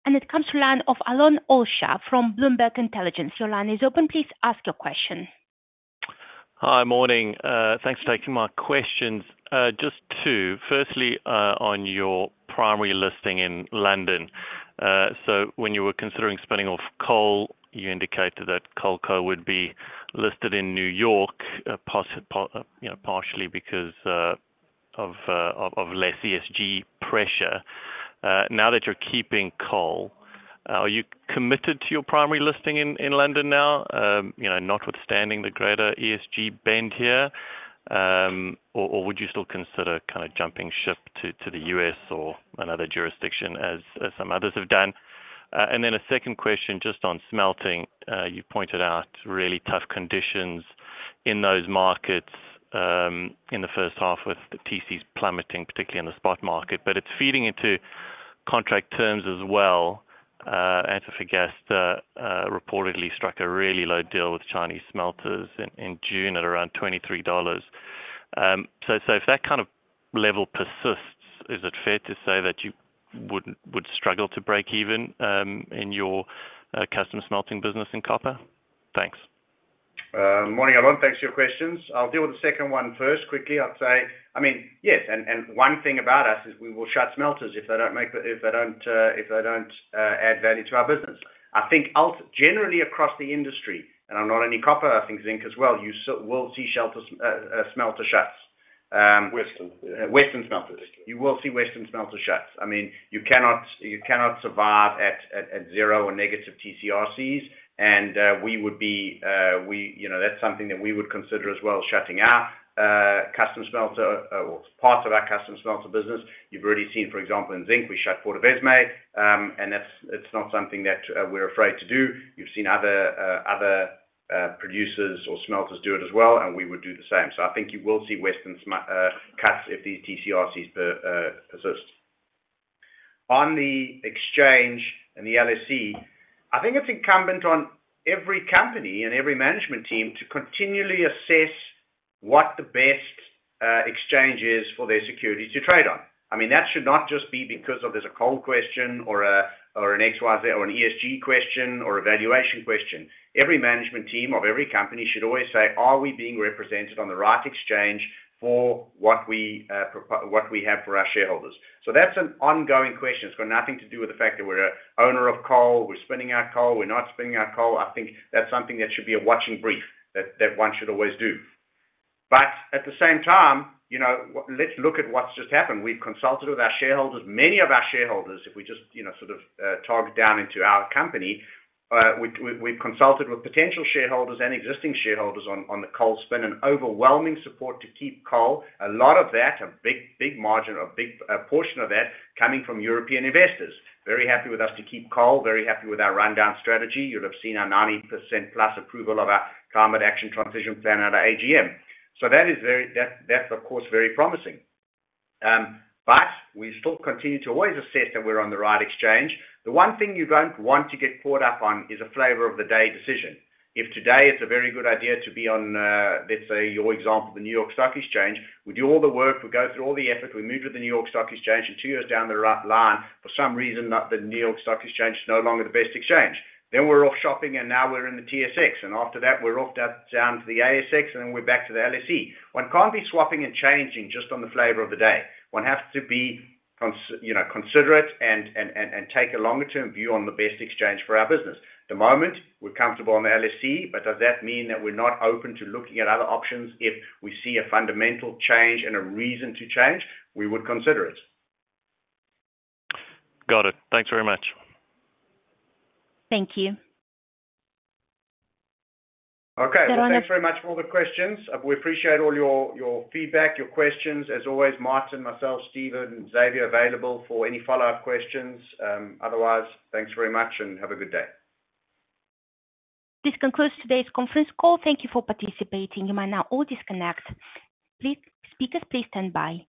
and it comes to line of Alon Olsha from Bloomberg Intelligence. Your line is open. Please ask your question. Hi, morning. Thanks for taking my questions. Just two. Firstly, on your primary listing in London. So when you were considering spinning off coal, you indicated that CoalCo would be listed in New York, you know, partially because of less ESG pressure. Now that you're keeping coal, are you committed to your primary listing in London now, you know, notwithstanding the greater ESG bend here? Or would you still consider kind of jumping ship to the US or another jurisdiction, as some others have done? And then a second question, just on smelting. You pointed out really tough conditions in those markets, in the first half with the TCs plummeting, particularly in the spot market, but it's feeding into contract terms as well. Antofagasta reportedly struck a really low deal with Chinese smelters in June at around $23. So, if that kind of level persists, is it fair to say that you would struggle to break even in your customer smelting business in copper? Thanks. Good morning, Alon. Thanks for your questions. I'll deal with the second one first. Quickly, I'd say, I mean, yes, and one thing about us is we will shut smelters if they don't add value to our business. I think generally across the industry, and not only copper, I think zinc as well, you will see smelters, smelter shuts. Western smelters. You will see Western smelter shuts. I mean, you cannot survive at zero or negative TC/RCs, and we would be, we. You know, that's something that we would consider as well, shutting our custom smelter or parts of our custom smelter business. You've already seen, for example, in zinc, we shut Portovesme, and that's- it's not something that, we're afraid to do. You've seen other, other, producers or smelters do it as well, and we would do the same. So I think you will see Western cuts if these TC/RCs persist. On the exchange and the LSE, I think it's incumbent on every company and every management team to continually assess what the best exchange is for their securities to trade on. I mean, that should not just be because of there's a coal question or a, or an XYZ, or an ESG question, or a valuation question. Every management team of every company should always say: Are we being represented on the right exchange for what we have for our shareholders? So that's an ongoing question. It's got nothing to do with the fact that we're a owner of coal, we're spinning our coal, we're not spinning our coal. I think that's something that should be a watching brief, that one should always do. But at the same time, you know, let's look at what's just happened. We've consulted with our shareholders, many of our shareholders, if we just, you know, sort of, target down into our company, we've consulted with potential shareholders and existing shareholders on the coal spin and overwhelming support to keep coal. A lot of that, a big, big margin, a big, a portion of that coming from European investors. Very happy with us to keep coal, very happy with our rundown strategy. You'll have seen our 90% plus approval of our climate action transition plan at our AGM. So that is very... that, that's, of course, very promising. But we still continue to always assess that we're on the right exchange. The one thing you don't want to get caught up on is a flavor of the day decision. If today it's a very good idea to be on, let's say, your example, the New York Stock Exchange, we do all the work, we go through all the effort, we move to the New York Stock Exchange, and two years down the line, for some reason, not the New York Stock Exchange is no longer the best exchange. Then we're off shopping, and now we're in the TSX, and after that, we're off down to the ASX, and then we're back to the LSE. One can't be swapping and changing just on the flavor of the day. One has to be considerate, you know, and take a longer-term view on the best exchange for our business. At the moment, we're comfortable on the LSE, but does that mean that we're not open to looking at other options if we see a fundamental change and a reason to change? We would consider it. Got it. Thanks very much. Thank you. Okay. Well, thanks very much for all the questions. We appreciate all your, your feedback, your questions. As always, Martin, myself, Steven, and Xavier are available for any follow-up questions. Otherwise, thanks very much and have a good day. This concludes today's conference call. Thank you for participating. You may now all disconnect. Please, speakers, please stand by.